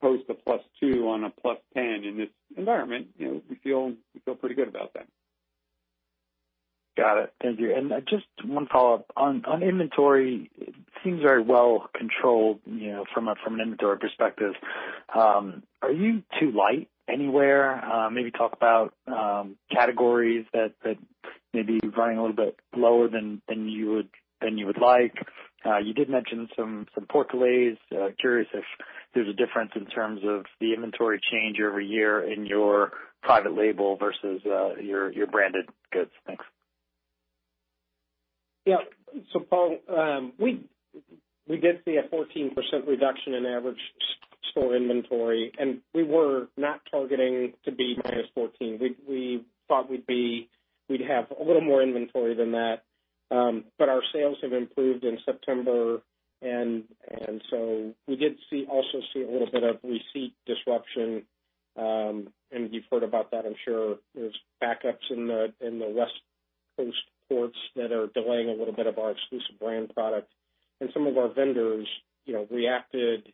post a +2% on a +10% in this environment, we feel pretty good about that. Got it. Thank you. Just one follow-up. On inventory, it seems very well controlled from an inventory perspective. Are you too light anywhere? Maybe talk about categories that may be running a little bit lower than you would like. You did mention some port delays. Curious if there's a difference in terms of the inventory change year-over-year in your private label versus your branded goods. Thanks. Yeah. Paul, we did see a 14% reduction in average store inventory, and we were not targeting to be -14. We thought we'd have a little more inventory than that. Our sales have improved in September, we did also see a little bit of receipt disruption. You've heard about that, I'm sure. There's backups in the West Coast ports that are delaying a little bit of our exclusive brand product. Some of our vendors reacted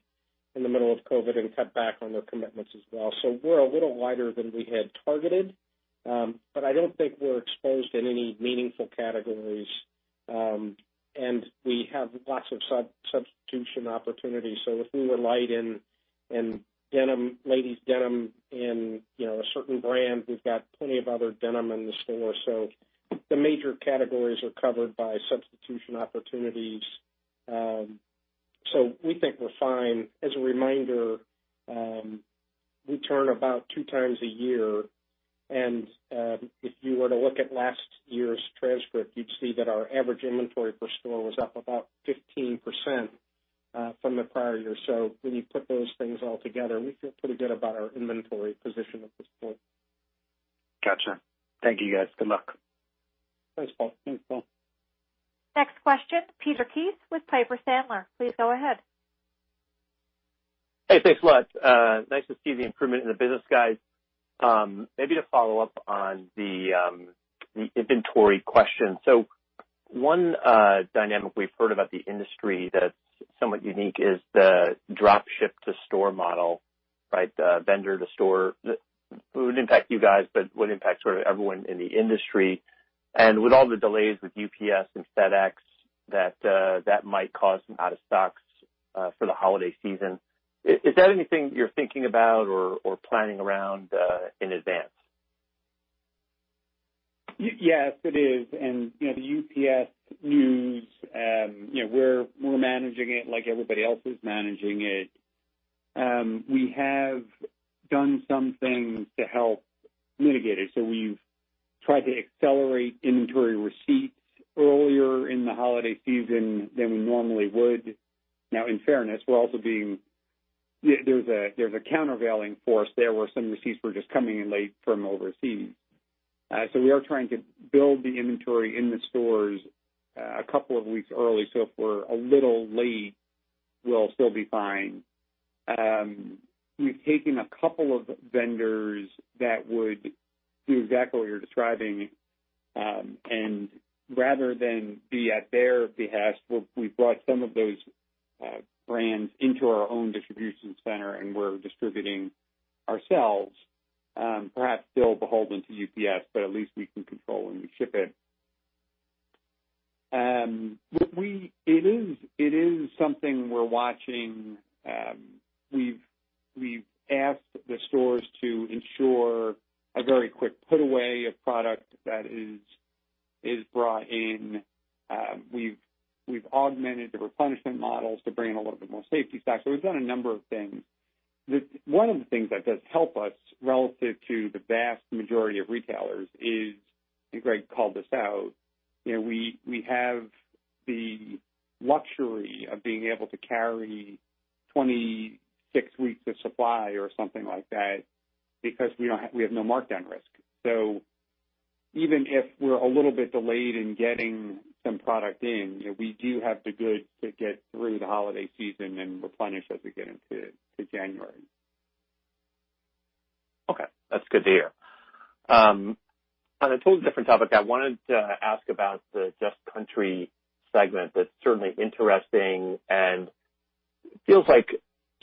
in the middle of COVID and cut back on their commitments as well. We're a little lighter than we had targeted. I don't think we're exposed in any meaningful categories. We have lots of substitution opportunities. If we were light in ladies denim in a certain brand, we've got plenty of other denim in the store. The major categories are covered by substitution opportunities. We think we're fine. As a reminder, we turn about two times a year, and if you were to look at last year's transcript, you'd see that our average inventory per store was up about 15% from the prior year. When you put those things all together, we feel pretty good about our inventory position at this point. Got you. Thank you, guys. Good luck. Thanks, Paul. Next question, Peter Keith with Piper Sandler. Please go ahead. Hey, thanks a lot. Nice to see the improvement in the business, guys. Maybe to follow up on the inventory question. One dynamic we've heard about the industry that's somewhat unique is the drop ship to store model. Right. The vendor, the store. It wouldn't impact you guys, but would impact sort of everyone in the industry. With all the delays with UPS and FedEx, that might cause some out of stocks for the holiday season. Is that anything you're thinking about or planning around in advance? Yes, it is. The UPS news, we're managing it like everybody else is managing it. We have done some things to help mitigate it. We've tried to accelerate inventory receipts earlier in the holiday season than we normally would. Now, in fairness, there's a countervailing force there where some receipts were just coming in late from overseas. We are trying to build the inventory in the stores a couple of weeks early, so if we're a little late, we'll still be fine. We've taken a couple of vendors that would do exactly what you're describing, and rather than be at their behest, we've brought some of those brands into our own distribution center, and we're distributing ourselves. Perhaps still beholden to UPS, but at least we can control when we ship it. It is something we're watching. We've asked the stores to ensure a very quick put away of product that is brought in. We've augmented the replenishment models to bring in a little bit more safety stock. We've done a number of things. One of the things that does help us, relative to the vast majority of retailers, is, I think Greg called this out. We have the luxury of being able to carry 26 weeks of supply or something like that because we have no markdown risk. Even if we're a little bit delayed in getting some product in, we do have the goods to get through the holiday season and replenish as we get into January. Okay. That's good to hear. On a totally different topic, I wanted to ask about the Just Country segment. That's certainly interesting and feels like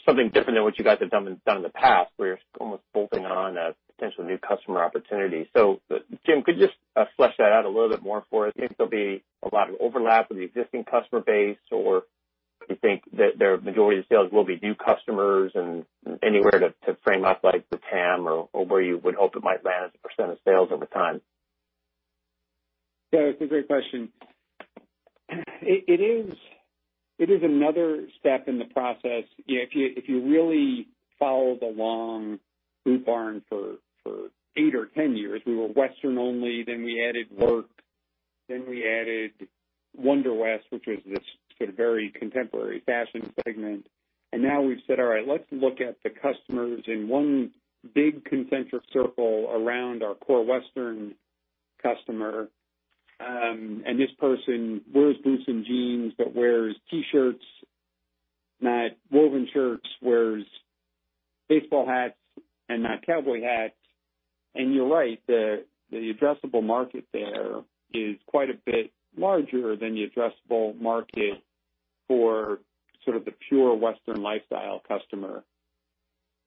something different than what you guys have done in the past, where you're almost bolting on a potential new customer opportunity. Jim, could you just flesh that out a little bit more for us? Do you think there'll be a lot of overlap with the existing customer base, or do you think that the majority of the sales will be new customers and anywhere to frame up, like the TAM or where you would hope it might land as a percent of sales over time? Yeah, it's a great question. It is another step in the process. If you really followed along Boot Barn for eight or 10 years, we were Western only, then we added Work, then we added WonderWest, which was this sort of very contemporary fashion segment. Now we've said, all right, let's look at the customers in one big concentric circle around our core Western customer. This person wears boots and jeans, but wears T-shirts, not woven shirts, wears baseball hats and not cowboy hats. You're right, the addressable market there is quite a bit larger than the addressable market for sort of the pure Western lifestyle customer.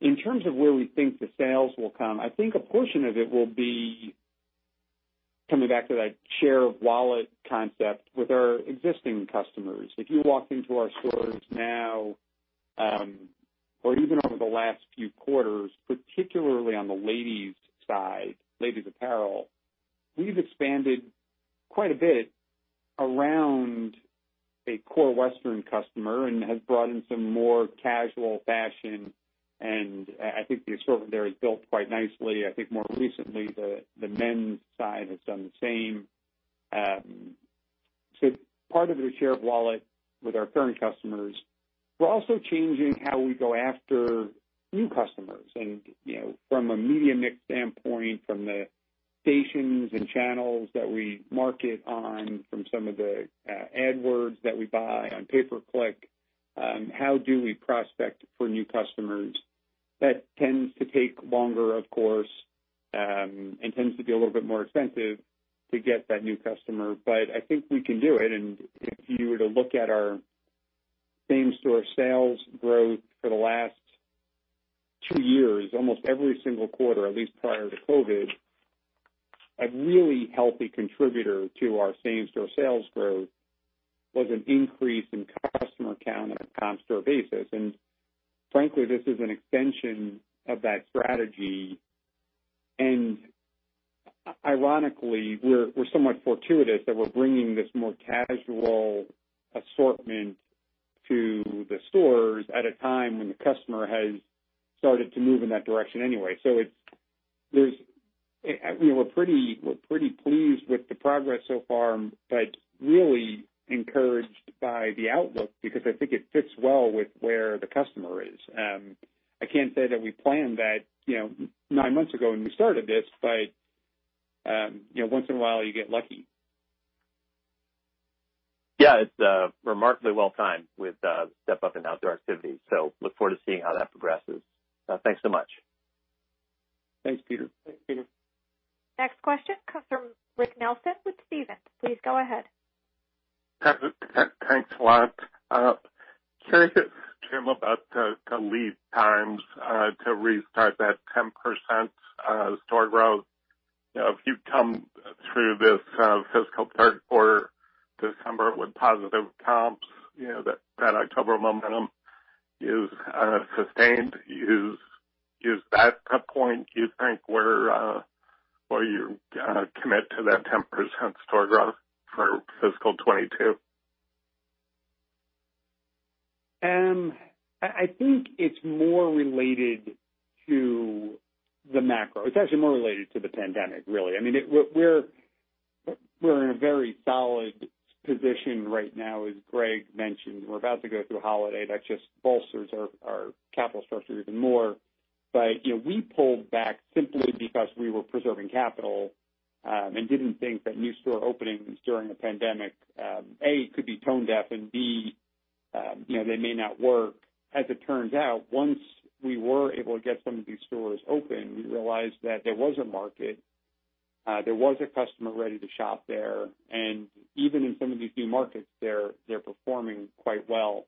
In terms of where we think the sales will come, I think a portion of it will be coming back to that share of wallet concept with our existing customers. If you walk into our stores now, or even over the last few quarters, particularly on the ladies side, ladies apparel, we've expanded quite a bit around a core Western customer and have brought in some more casual fashion, and I think the assortment there is built quite nicely. I think more recently, the men's side has done the same. Part of it is share of wallet with our current customers. We're also changing how we go after new customers and from a media mix standpoint, from the stations and channels that we market on, from some of the AdWords that we buy on pay per click, how do we prospect for new customers? That tends to take longer, of course, and tends to be a little bit more expensive to get that new customer. I think we can do it. If you were to look at our same-store sales growth for the last two years, almost every single quarter, at least prior to COVID, a really healthy contributor to our same-store sales growth was an increase in customer count on a comp store basis. Frankly, this is an extension of that strategy. Ironically, we're somewhat fortuitous that we're bringing this more casual assortment to the stores at a time when the customer has started to move in that direction anyway. We're pretty pleased with the progress so far, but really encouraged by the outlook because I think it fits well with where the customer is. I can't say that we planned that nine months ago when we started this, but once in a while you get lucky. Yeah, it's remarkably well timed with step up in outdoor activities, so look forward to seeing how that progresses. Thanks so much. Thanks, Peter. Next question comes from Rick Nelson with Stephens. Please go ahead. Thanks a lot. Can I ask, Jim, about the lead times to restart that 10% store growth? If you come through this fiscal third quarter, December, with positive comps, that October momentum is sustained. Is that a point you think where you commit to that 10% store growth for fiscal 2022? I think it's more related to the macro. It's actually more related to the pandemic, really. We're in a very solid position right now, as Greg mentioned. We're about to go through holiday. That just bolsters our capital structure even more. We pulled back simply because we were preserving capital, and didn't think that new store openings during a pandemic, A, could be tone-deaf, and B, they may not work. As it turns out, once we were able to get some of these stores open, we realized that there was a market, there was a customer ready to shop there, and even in some of these new markets, they're performing quite well.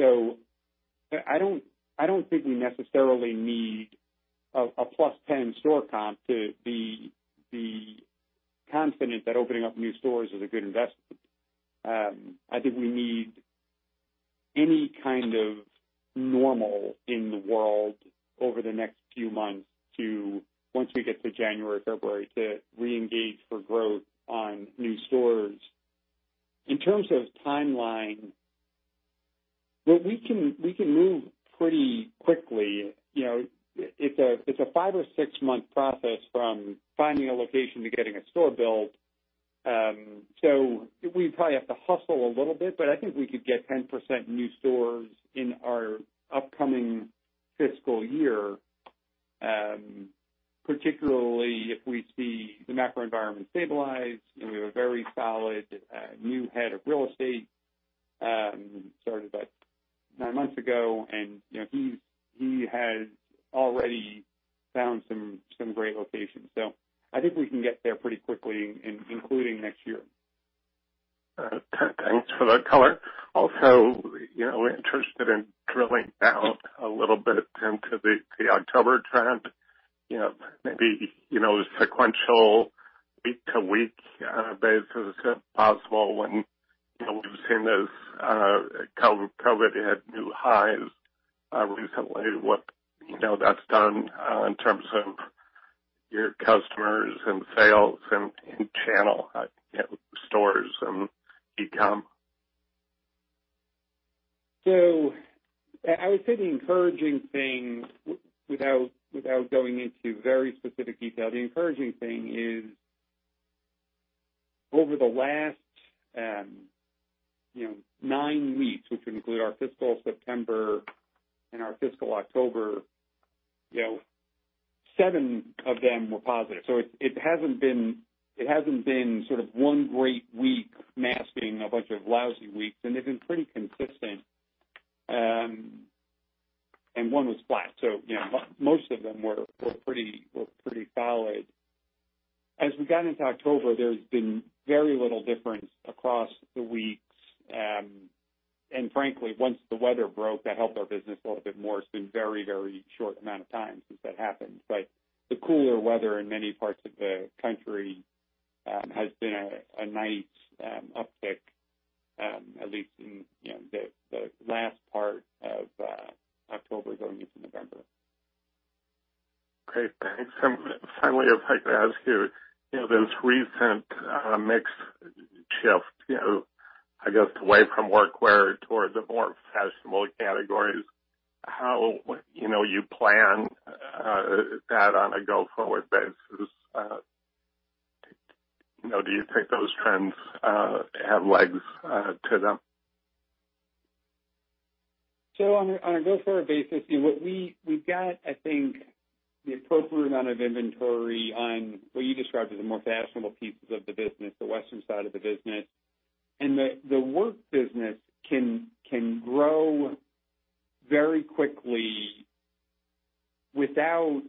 I don't think we necessarily need a plus 10 store comp to be confident that opening up new stores is a good investment. I think we need any kind of normal in the world over the next few months to, once we get to January, February, to reengage for growth on new stores. In terms of timeline, we can move pretty quickly. It's a five or six month process from finding a location to getting a store built. We probably have to hustle a little bit, but I think we could get 10% new stores in our upcoming fiscal year, particularly if we see the macro environment stabilize, and we have a very solid new head of real estate, started about nine months ago, and he has already found some great locations. I think we can get there pretty quickly, including next year. Thanks for that color. I'm interested in drilling down a little bit into the October trend. Maybe, sequential week to week basis, if possible, when we've seen those COVID hit new highs recently, what that's done in terms of your customers and sales and channel stores and e-com? I would say, without going into very specific detail, the encouraging thing is over the last nine weeks, which would include our fiscal September and our fiscal October, seven of them were positive. It hasn't been sort of one great week masking a bunch of lousy weeks, and they've been pretty consistent. One was flat. Most of them were pretty solid. As we got into October, there's been very little difference across the weeks. Frankly, once the weather broke, that helped our business a little bit more. It's been a very short amount of time since that happened. The cooler weather in many parts of the country has been a nice uptick, at least in the last part of October going into November. Okay, thanks. Finally, I'd like to ask you, this recent mix shift, I guess, away from workwear towards the more fashionable categories, how you plan that on a go forward basis? Do you think those trends have legs to them? On a go forward basis, we've got, I think, the appropriate amount of inventory on what you described as the more fashionable pieces of the business, the western side of the business. The work business can grow very quickly without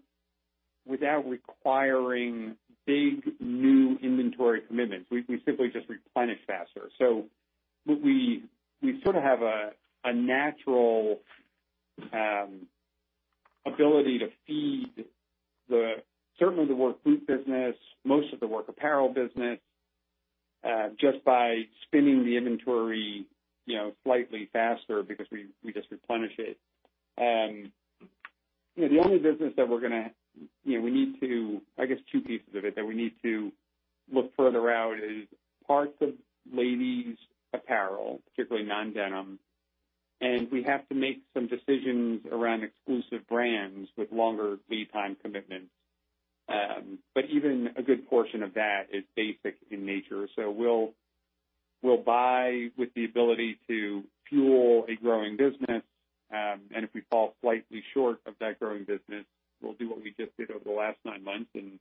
requiring big, new inventory commitments. We simply just replenish faster. We sort of have a natural ability to feed certainly the work boot business, most of the work apparel business, just by spinning the inventory slightly faster because we just replenish it. The only business that we need to, I guess, two pieces of it that we need to look further out is parts of ladies apparel, particularly non-denim. We have to make some decisions around exclusive brands with longer lead time commitments. Even a good portion of that is basic in nature. We'll buy with the ability to fuel a growing business, and if we fall slightly short of that growing business, we'll do what we just did over the last nine months and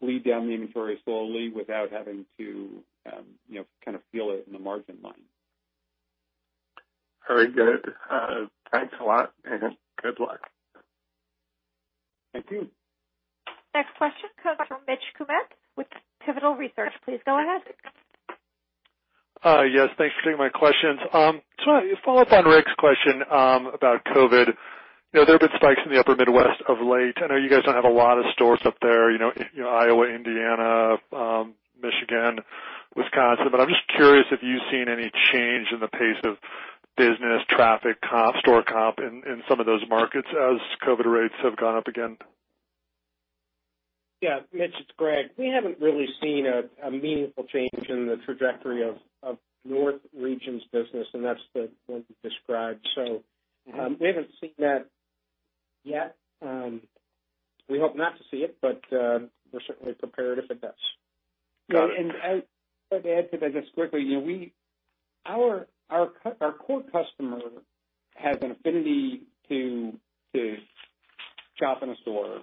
bleed down the inventory slowly without having to feel it in the margin line. Very good. Thanks a lot, and good luck. Thank you. Next question comes from Mitch Kummet with Pivotal Research. Please go ahead. Yes. Thanks for taking my questions. Just want to follow up on Rick's question about COVID. There have been spikes in the upper Midwest of late. I know you guys don't have a lot of stores up there, Iowa, Indiana, Michigan, Wisconsin, but I'm just curious if you've seen any change in the pace of business, traffic, comp, store comp in some of those markets as COVID rates have gone up again. Yeah, Mitch, it's Greg. We haven't really seen a meaningful change in the trajectory of North region's business, and that's the one you described. We haven't seen that yet. We hope not to see it, but we're certainly prepared if it does. No, and as to add to that just quickly, our core customer has an affinity to shop in a store.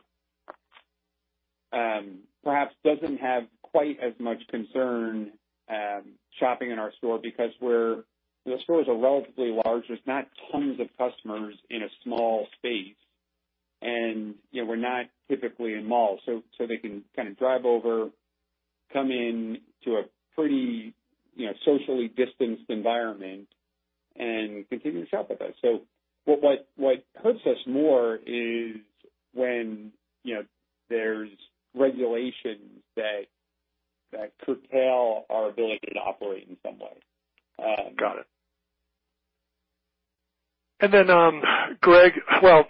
Perhaps doesn't have quite as much concern shopping in our store because the stores are relatively large. There's not tons of customers in a small space, and we're not typically in malls. They can drive over, come in to a pretty socially distanced environment and continue to shop with us. What hurts us more is when there's regulations that curtail our ability to operate in some way. Got it. Greg, well,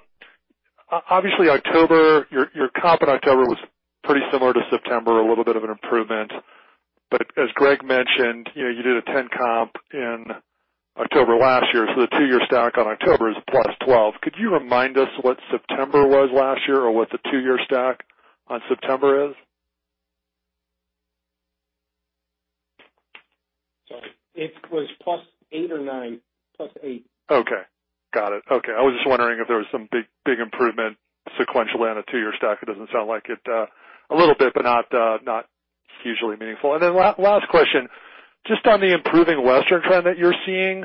obviously, your comp in October was pretty similar to September, a little bit of an improvement. As Greg mentioned, you did a 10% comp in October last year, the two-year stack on October is +12%. Could you remind us what September was last year, or what the two-year stack on September is? Sorry. It was plus eight or nine. Plus eight. Okay. Got it. Okay. I was just wondering if there was some big improvement sequentially on a two-year stack. It doesn't sound like it. A little bit, but not hugely meaningful. Last question, just on the improving Western trend that you're seeing,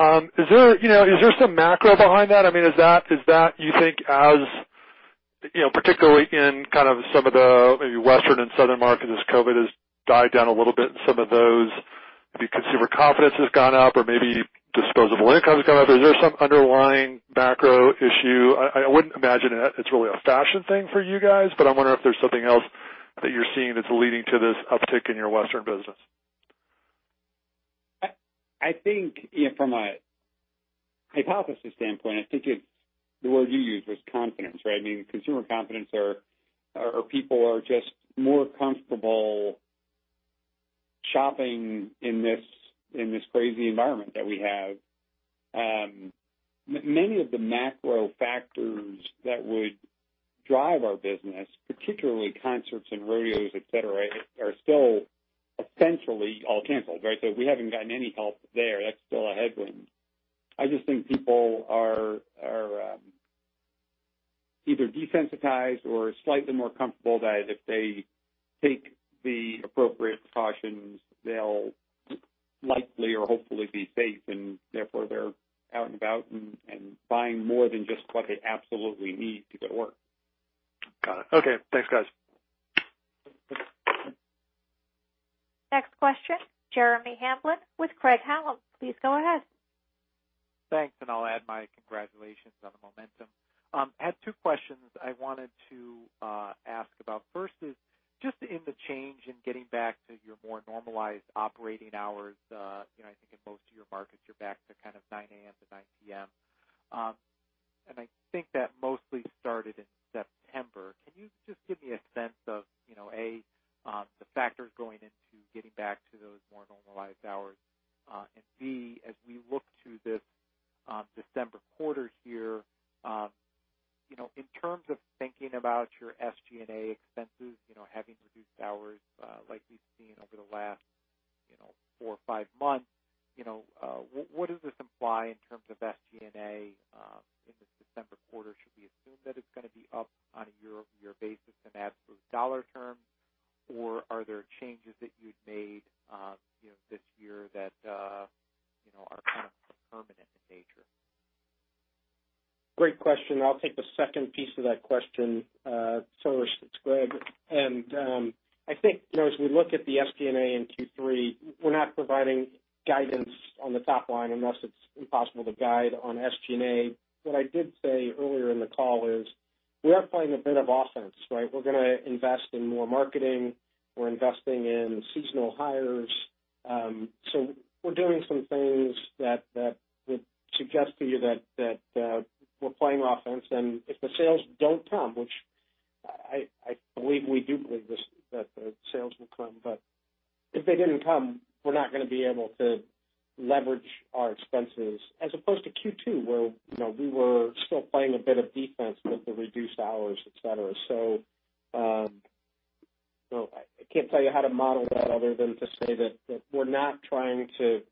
is there some macro behind that? Is that you think as particularly in kind of some of the maybe Western and Southern markets as COVID has died down a little bit in some of those, maybe consumer confidence has gone up or maybe disposable income has gone up. Is there some underlying macro issue? I wouldn't imagine it's really a fashion thing for you guys, but I wonder if there's something else that you're seeing that's leading to this uptick in your Western business. I think from a hypothesis standpoint, I think it's the word you used was confidence, right? Consumer confidence or people are just more comfortable shopping in this crazy environment that we have. Many of the macro factors that would drive our business, particularly concerts and rodeos, et cetera, are still essentially all canceled, right? We haven't gotten any help there. That's still a headwind. I just think people are either desensitized or slightly more comfortable that if they take the appropriate precautions, they'll likely or hopefully be safe, and therefore they're out and about and buying more than just what they absolutely need to go to work. Got it. Okay. Thanks, guys. Next question, Jeremy Hamblin with Craig-Hallum. Please go ahead. Thanks. I'll add my congratulations on the momentum. I had two questions I wanted to ask about. First is just in the change in getting back to your more normalized operating hours. I think in most of your markets, you're back to 9:00 A.M. to 9:00 P.M. I think that mostly started in September. Can you just give me a sense of, A, the factors going into getting back to those more normalized hours, and B, as we look to this December quarter here, in terms of thinking about your SG&A expenses, having reduced hours like we've seen over the last four or five months, what does this imply in terms of SG&A in the December quarter? Should we assume that it's gonna be up on a year-over-year basis in absolute dollar terms, or are there changes that you'd made this year that are kind of permanent in nature? Great question. I'll take the second piece of that question first. It's Greg. I think, as we look at the SG&A in Q3, we're not providing guidance on the top line, thus it's impossible to guide on SG&A. What I did say earlier in the call is we are playing a bit of offense, right? We're gonna invest in more marketing. We're investing in seasonal hires. We're doing some things that would suggest to you that we're playing offense. If the sales don't come, which I believe we do believe that the sales will come, but if they didn't come, we're not gonna be able to leverage our expenses as opposed to Q2 where we were still playing a bit of defense with the reduced hours, et cetera. I can't tell you how to model that other than to say that we're not trying to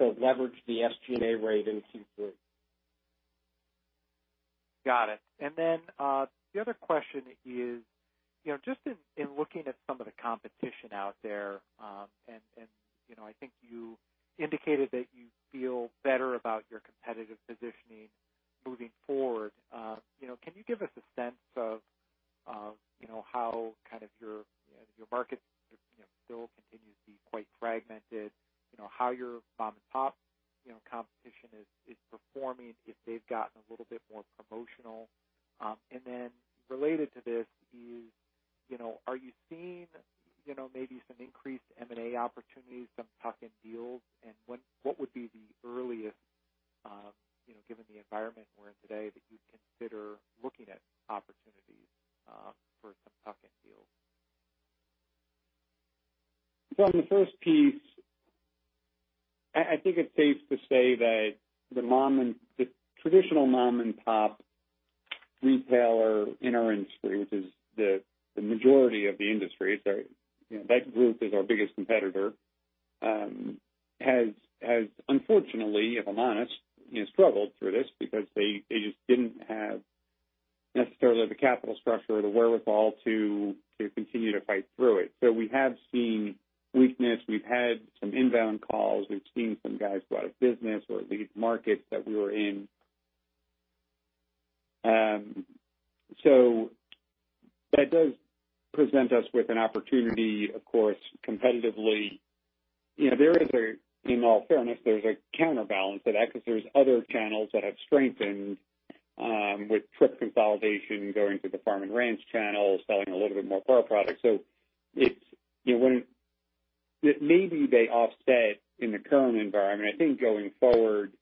leverage the SG&A rate in Q3. Got it. Then the other question is, just in looking at some of the competition out there, and I think you indicated that you feel better about your competitive positioning moving forward. Can you give us a sense of how your market still continues to be quite fragmented, how your mom-and-pop competition is performing, if they've gotten a little bit more promotional? Then related to this is, are you seeing maybe some increased M&A opportunities, some tuck-in deals? What would be the earliest, given the environment we're in today, that you'd consider looking at opportunities for some tuck-in deals? On the first piece, I think it's safe to say that the traditional mom-and-pop retailer in our industry, which is the majority of the industry, that group is our biggest competitor, has unfortunately, if I'm honest, struggled through this because they just didn't have necessarily the capital structure or the wherewithal to continue to fight through it. We have seen weakness. We've had some inbound calls. We've seen some guys go out of business or leave markets that we were in. That does present us with an opportunity, of course, competitively. In all fairness, there's a counterbalance to that because there's other channels that have strengthened with trip consolidation, going to the farm and ranch channels, selling a little bit more Pro products. Maybe they offset in the current environment. I think going forward,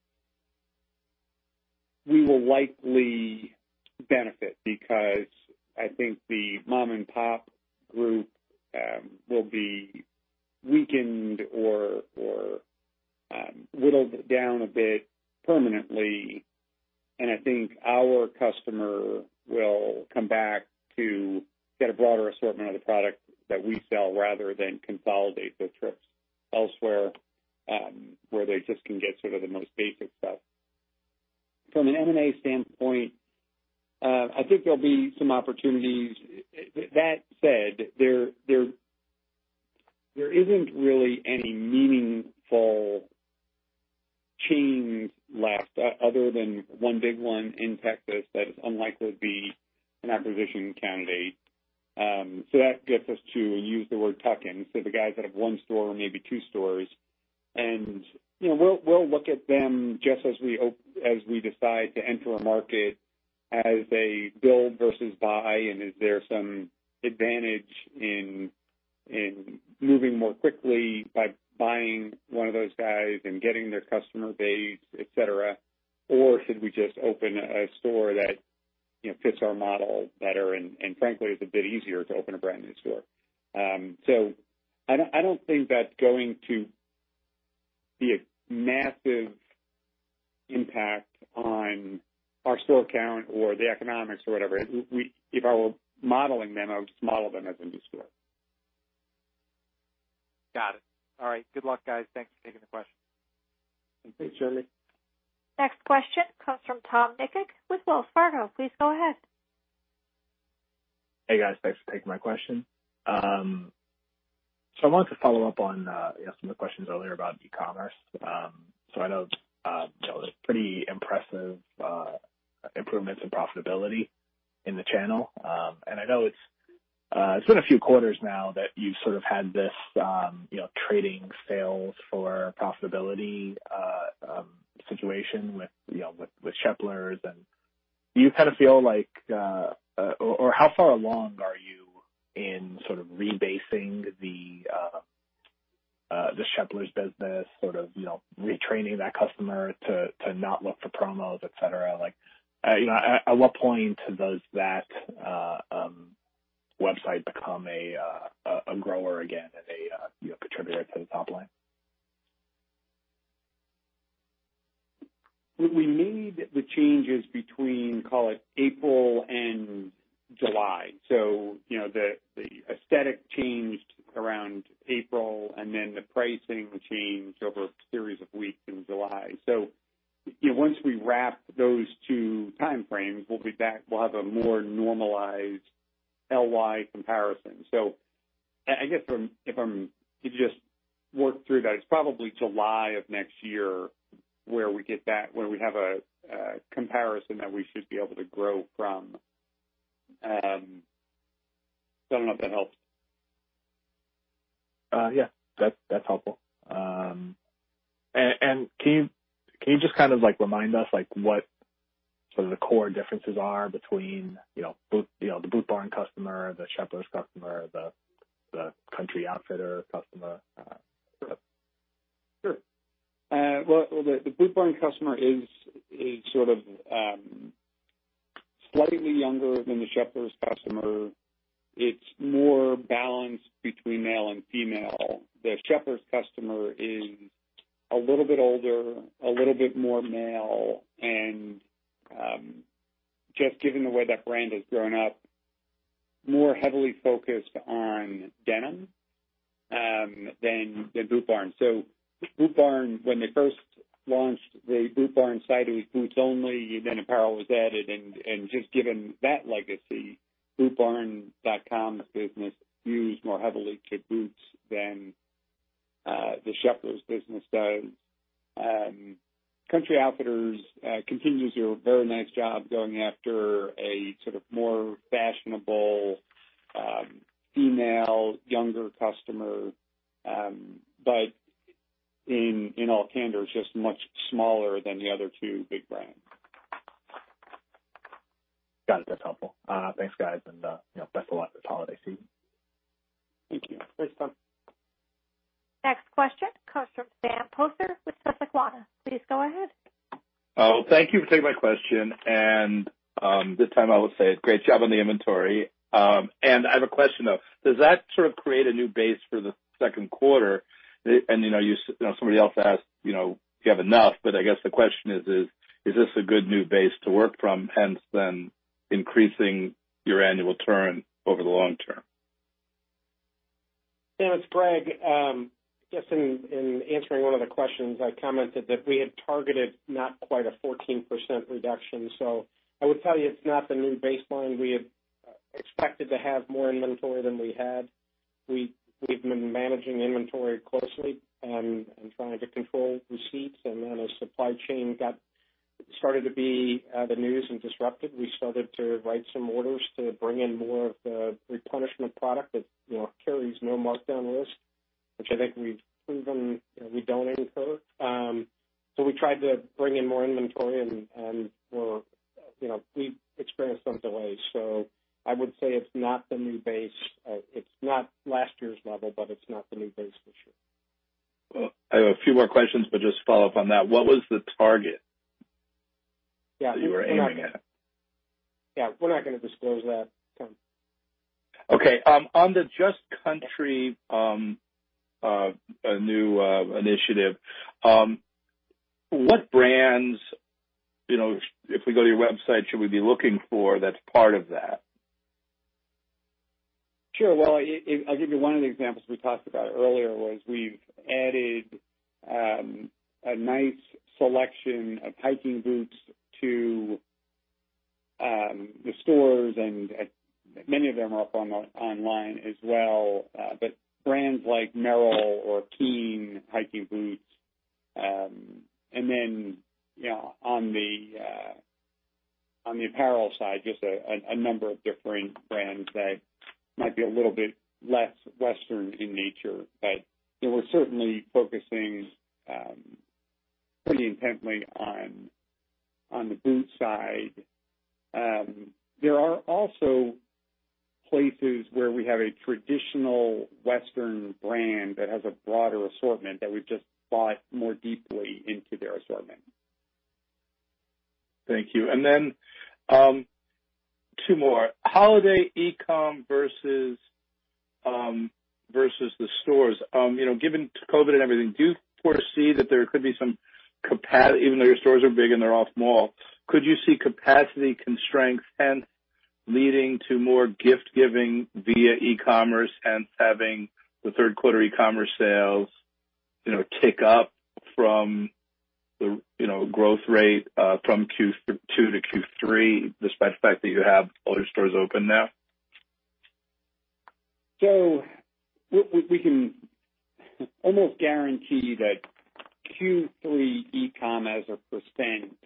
we will likely benefit because I think the mom-and-pop group will be weakened or whittled down a bit permanently, and I think our customer will come back to get a broader assortment of the product that we sell rather than consolidate their trips elsewhere, where they just can get sort of the most basic stuff. From an M&A standpoint, I think there'll be some opportunities. That said, there isn't really any meaningful chains left other than one big one in Texas that is unlikely to be an acquisition candidate. That gets us to use the word tuck-in. The guys that have one store or maybe two stores. We'll look at them just as we decide to enter a market as a build versus buy, and is there some advantage in moving more quickly by buying one of those guys and getting their customer base, et cetera, or should we just open a store that fits our model better? Frankly, it's a bit easier to open a brand-new store. I don't think that's going to be a massive impact on our store count or the economics or whatever. If I were modeling them, I would just model them as a new store. Got it. All right. Good luck, guys. Thanks for taking the question. Thanks, Charlie. Next question comes from Tom Nikic with Wells Fargo. Please go ahead. Hey, guys. Thanks for taking my question. I wanted to follow up on some of the questions earlier about e-commerce. I know there's pretty impressive improvements in profitability in the channel. I know it's been a few quarters now that you've sort of had this trading sales for profitability situation with Sheplers. How far along are you in sort of rebasing the Sheplers business, sort of retraining that customer to not look for promos, et cetera? At what point does that website become a grower again and contribute to the top line? We made the changes between, call it, April and July. The aesthetic changed around April, and then the pricing changed over a series of weeks in July. Once we wrap those two time frames, we'll be back. We'll have a more normalized LY comparison. I guess if I'm to just work through that, it's probably July of next year where we have a comparison that we should be able to grow from. I don't know if that helps. Yeah. That's helpful. Can you just kind of remind us what the core differences are between the Boot Barn customer, the Sheplers customer, the Country Outfitter customer? Sure. Well, the Boot Barn customer is sort of slightly younger than the Sheplers customer. It's more balanced between male and female. The Sheplers customer is a little bit older, a little bit more male, and just given the way that brand has grown up. More heavily focused on denim than Boot Barn. Boot Barn, when they first launched, the Boot Barn side was boots only, then apparel was added. Just given that legacy, bootbarn.com business skews more heavily to boots than the Sheplers business does. Country Outfitter continues to do a very nice job going after a sort of more fashionable, female, younger customer. In all candor, it's just much smaller than the other two big brands. Got it. That's helpful. Thanks, guys, and best of luck this holiday season. Thank you. Thanks, Tom. Next question comes from Sam Poser with Susquehanna. Please go ahead. Oh, thank you for taking my question. This time, I will say it, great job on the inventory. I have a question of, does that sort of create a new base for the second quarter? Somebody else asked, do you have enough? I guess the question is this a good new base to work from, hence then increasing your annual turn over the long term? Sam, it's Greg. I guess in answering one of the questions, I commented that we had targeted not quite a 14% reduction. I would tell you it's not the new baseline. We had expected to have more inventory than we had. We've been managing inventory closely and trying to control receipts. As supply chain got started to be the news and disrupted, we started to write some orders to bring in more of the replenishment product that carries no markdown risk, which I think we've proven we don't incur. We tried to bring in more inventory, and we experienced some delays. I would say it's not the new base. It's not last year's level, but it's not the new base for sure. I have a few more questions, but just to follow up on that, what was the target that you were aiming at? Yeah, we're not going to disclose that, Tom. Okay. On the Just Country new initiative, what brands, if we go to your website, should we be looking for that's part of that? Sure. I'll give you one of the examples we talked about earlier was we've added a nice selection of hiking boots to the stores, and many of them are up online as well. Brands like Merrell or KEEN hiking boots. On the apparel side, just a number of different brands that might be a little bit less Western in nature. We're certainly focusing pretty intently on the boot side. There are also places where we have a traditional Western brand that has a broader assortment that we've just bought more deeply into their assortment. Thank you. Two more. Holiday e-com versus the stores. Given COVID and everything, do you foresee that there could be some capacity constraints hence leading to more gift-giving via e-commerce, hence having the third quarter e-commerce sales tick up from the growth rate from Q2 to Q3, despite the fact that you have all your stores open now? We can almost guarantee that Q3 e-com as a %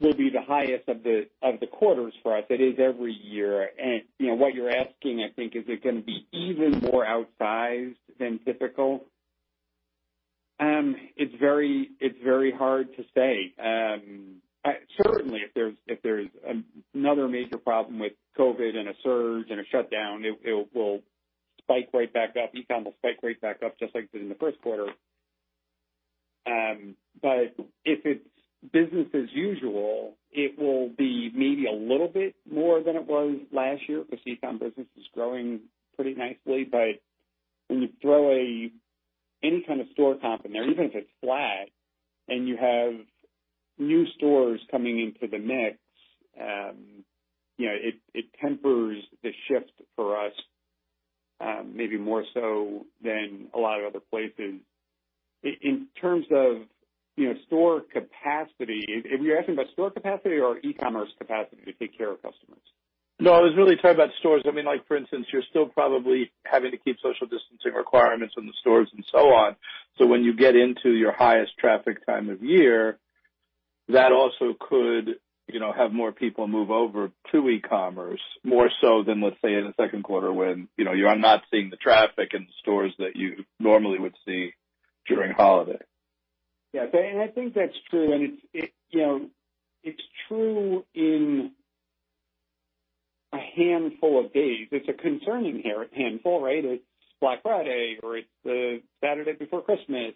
will be the highest of the quarters for us. It is every year. What you're asking, I think, is it going to be even more outsized than typical? It's very hard to say. Certainly, if there's another major problem with COVID and a surge and a shutdown, it will spike right back up. E-com will spike right back up, just like it did in the first quarter. If it's business as usual, it will be maybe a little bit more than it was last year, because e-com business is growing pretty nicely. When you throw any kind of store comp in there, even if it's flat, and you have new stores coming into the mix, it tempers the shift for us maybe more so than a lot of other places. In terms of store capacity, are you asking about store capacity or e-commerce capacity to take care of customers? No, I was really talking about stores. For instance, you're still probably having to keep social distancing requirements in the stores and so on. When you get into your highest traffic time of year, that also could have more people move over to e-commerce, more so than, let's say, in the second quarter when you are not seeing the traffic in the stores that you normally would see during holiday. Yeah. I think that's true, and it's true in a handful of days. It's a concerning handful, right? It's Black Friday, or it's the Saturday before Christmas.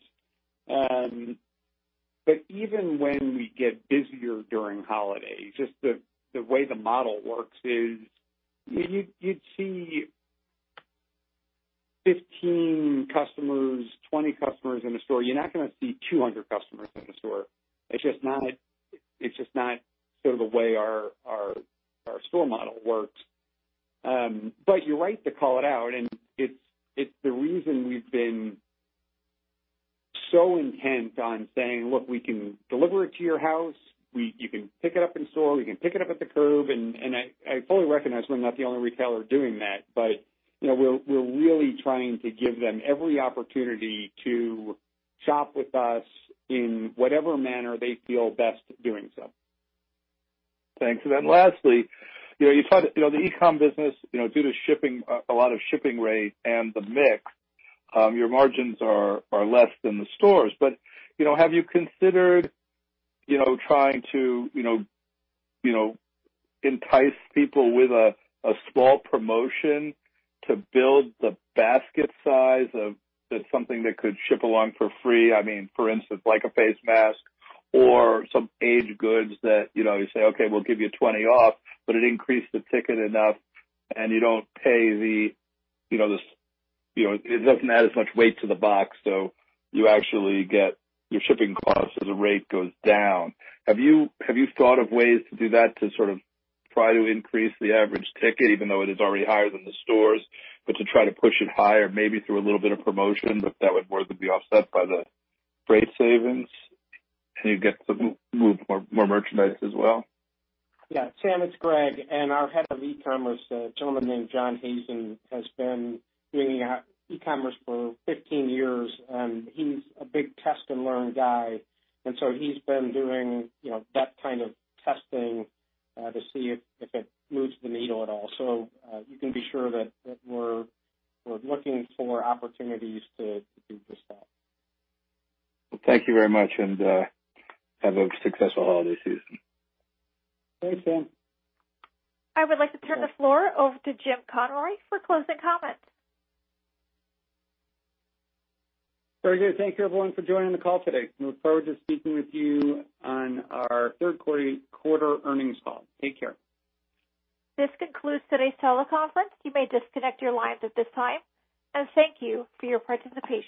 Even when we get busier during holidays, just the way the model works is, you'd see 15 customers, 20 customers in a store. You're not going to see 200 customers in a store. It's just not sort of the way our store model works. You're right to call it out, and it's the reason we've been so intent on saying, "Look, we can deliver it to your house. You can pick it up in store. We can pick it up at the curb." I fully recognize we're not the only retailer doing that, but we're really trying to give them every opportunity to shop with us in whatever manner they feel best doing so. Thanks. Then lastly, the e-com business, due to a lot of shipping rate and the mix, your margins are less than the stores. Have you considered trying to entice people with a small promotion to build the basket size of something that could ship along for free? I mean, for instance, like a face mask or some add-on goods that you say, "Okay, we'll give you 20 off," but it increased the ticket enough and it doesn't add as much weight to the box, so you actually get your shipping costs as the rate goes down. Have you thought of ways to do that to sort of try to increase the average ticket, even though it is already higher than the stores, but to try to push it higher, maybe through a little bit of promotion, but that would more than be offset by the freight savings, and you get to move more merchandise as well? Yeah. Sam, it's Greg, and our head of e-commerce, a gentleman named John Hazen, has been doing e-commerce for 15 years, and he's a big test-and-learn guy. He's been doing that kind of testing, to see if it moves the needle at all. You can be sure that we're looking for opportunities to do just that. Well, thank you very much, and have a successful holiday season. Thanks, Sam. I would like to turn the floor over to Jim Conroy for closing comments. Very good. Thank you, everyone, for joining the call today. We look forward to speaking with you on our third quarter earnings call. Take care. This concludes today's teleconference. You may disconnect your lines at this time. Thank you for your participation.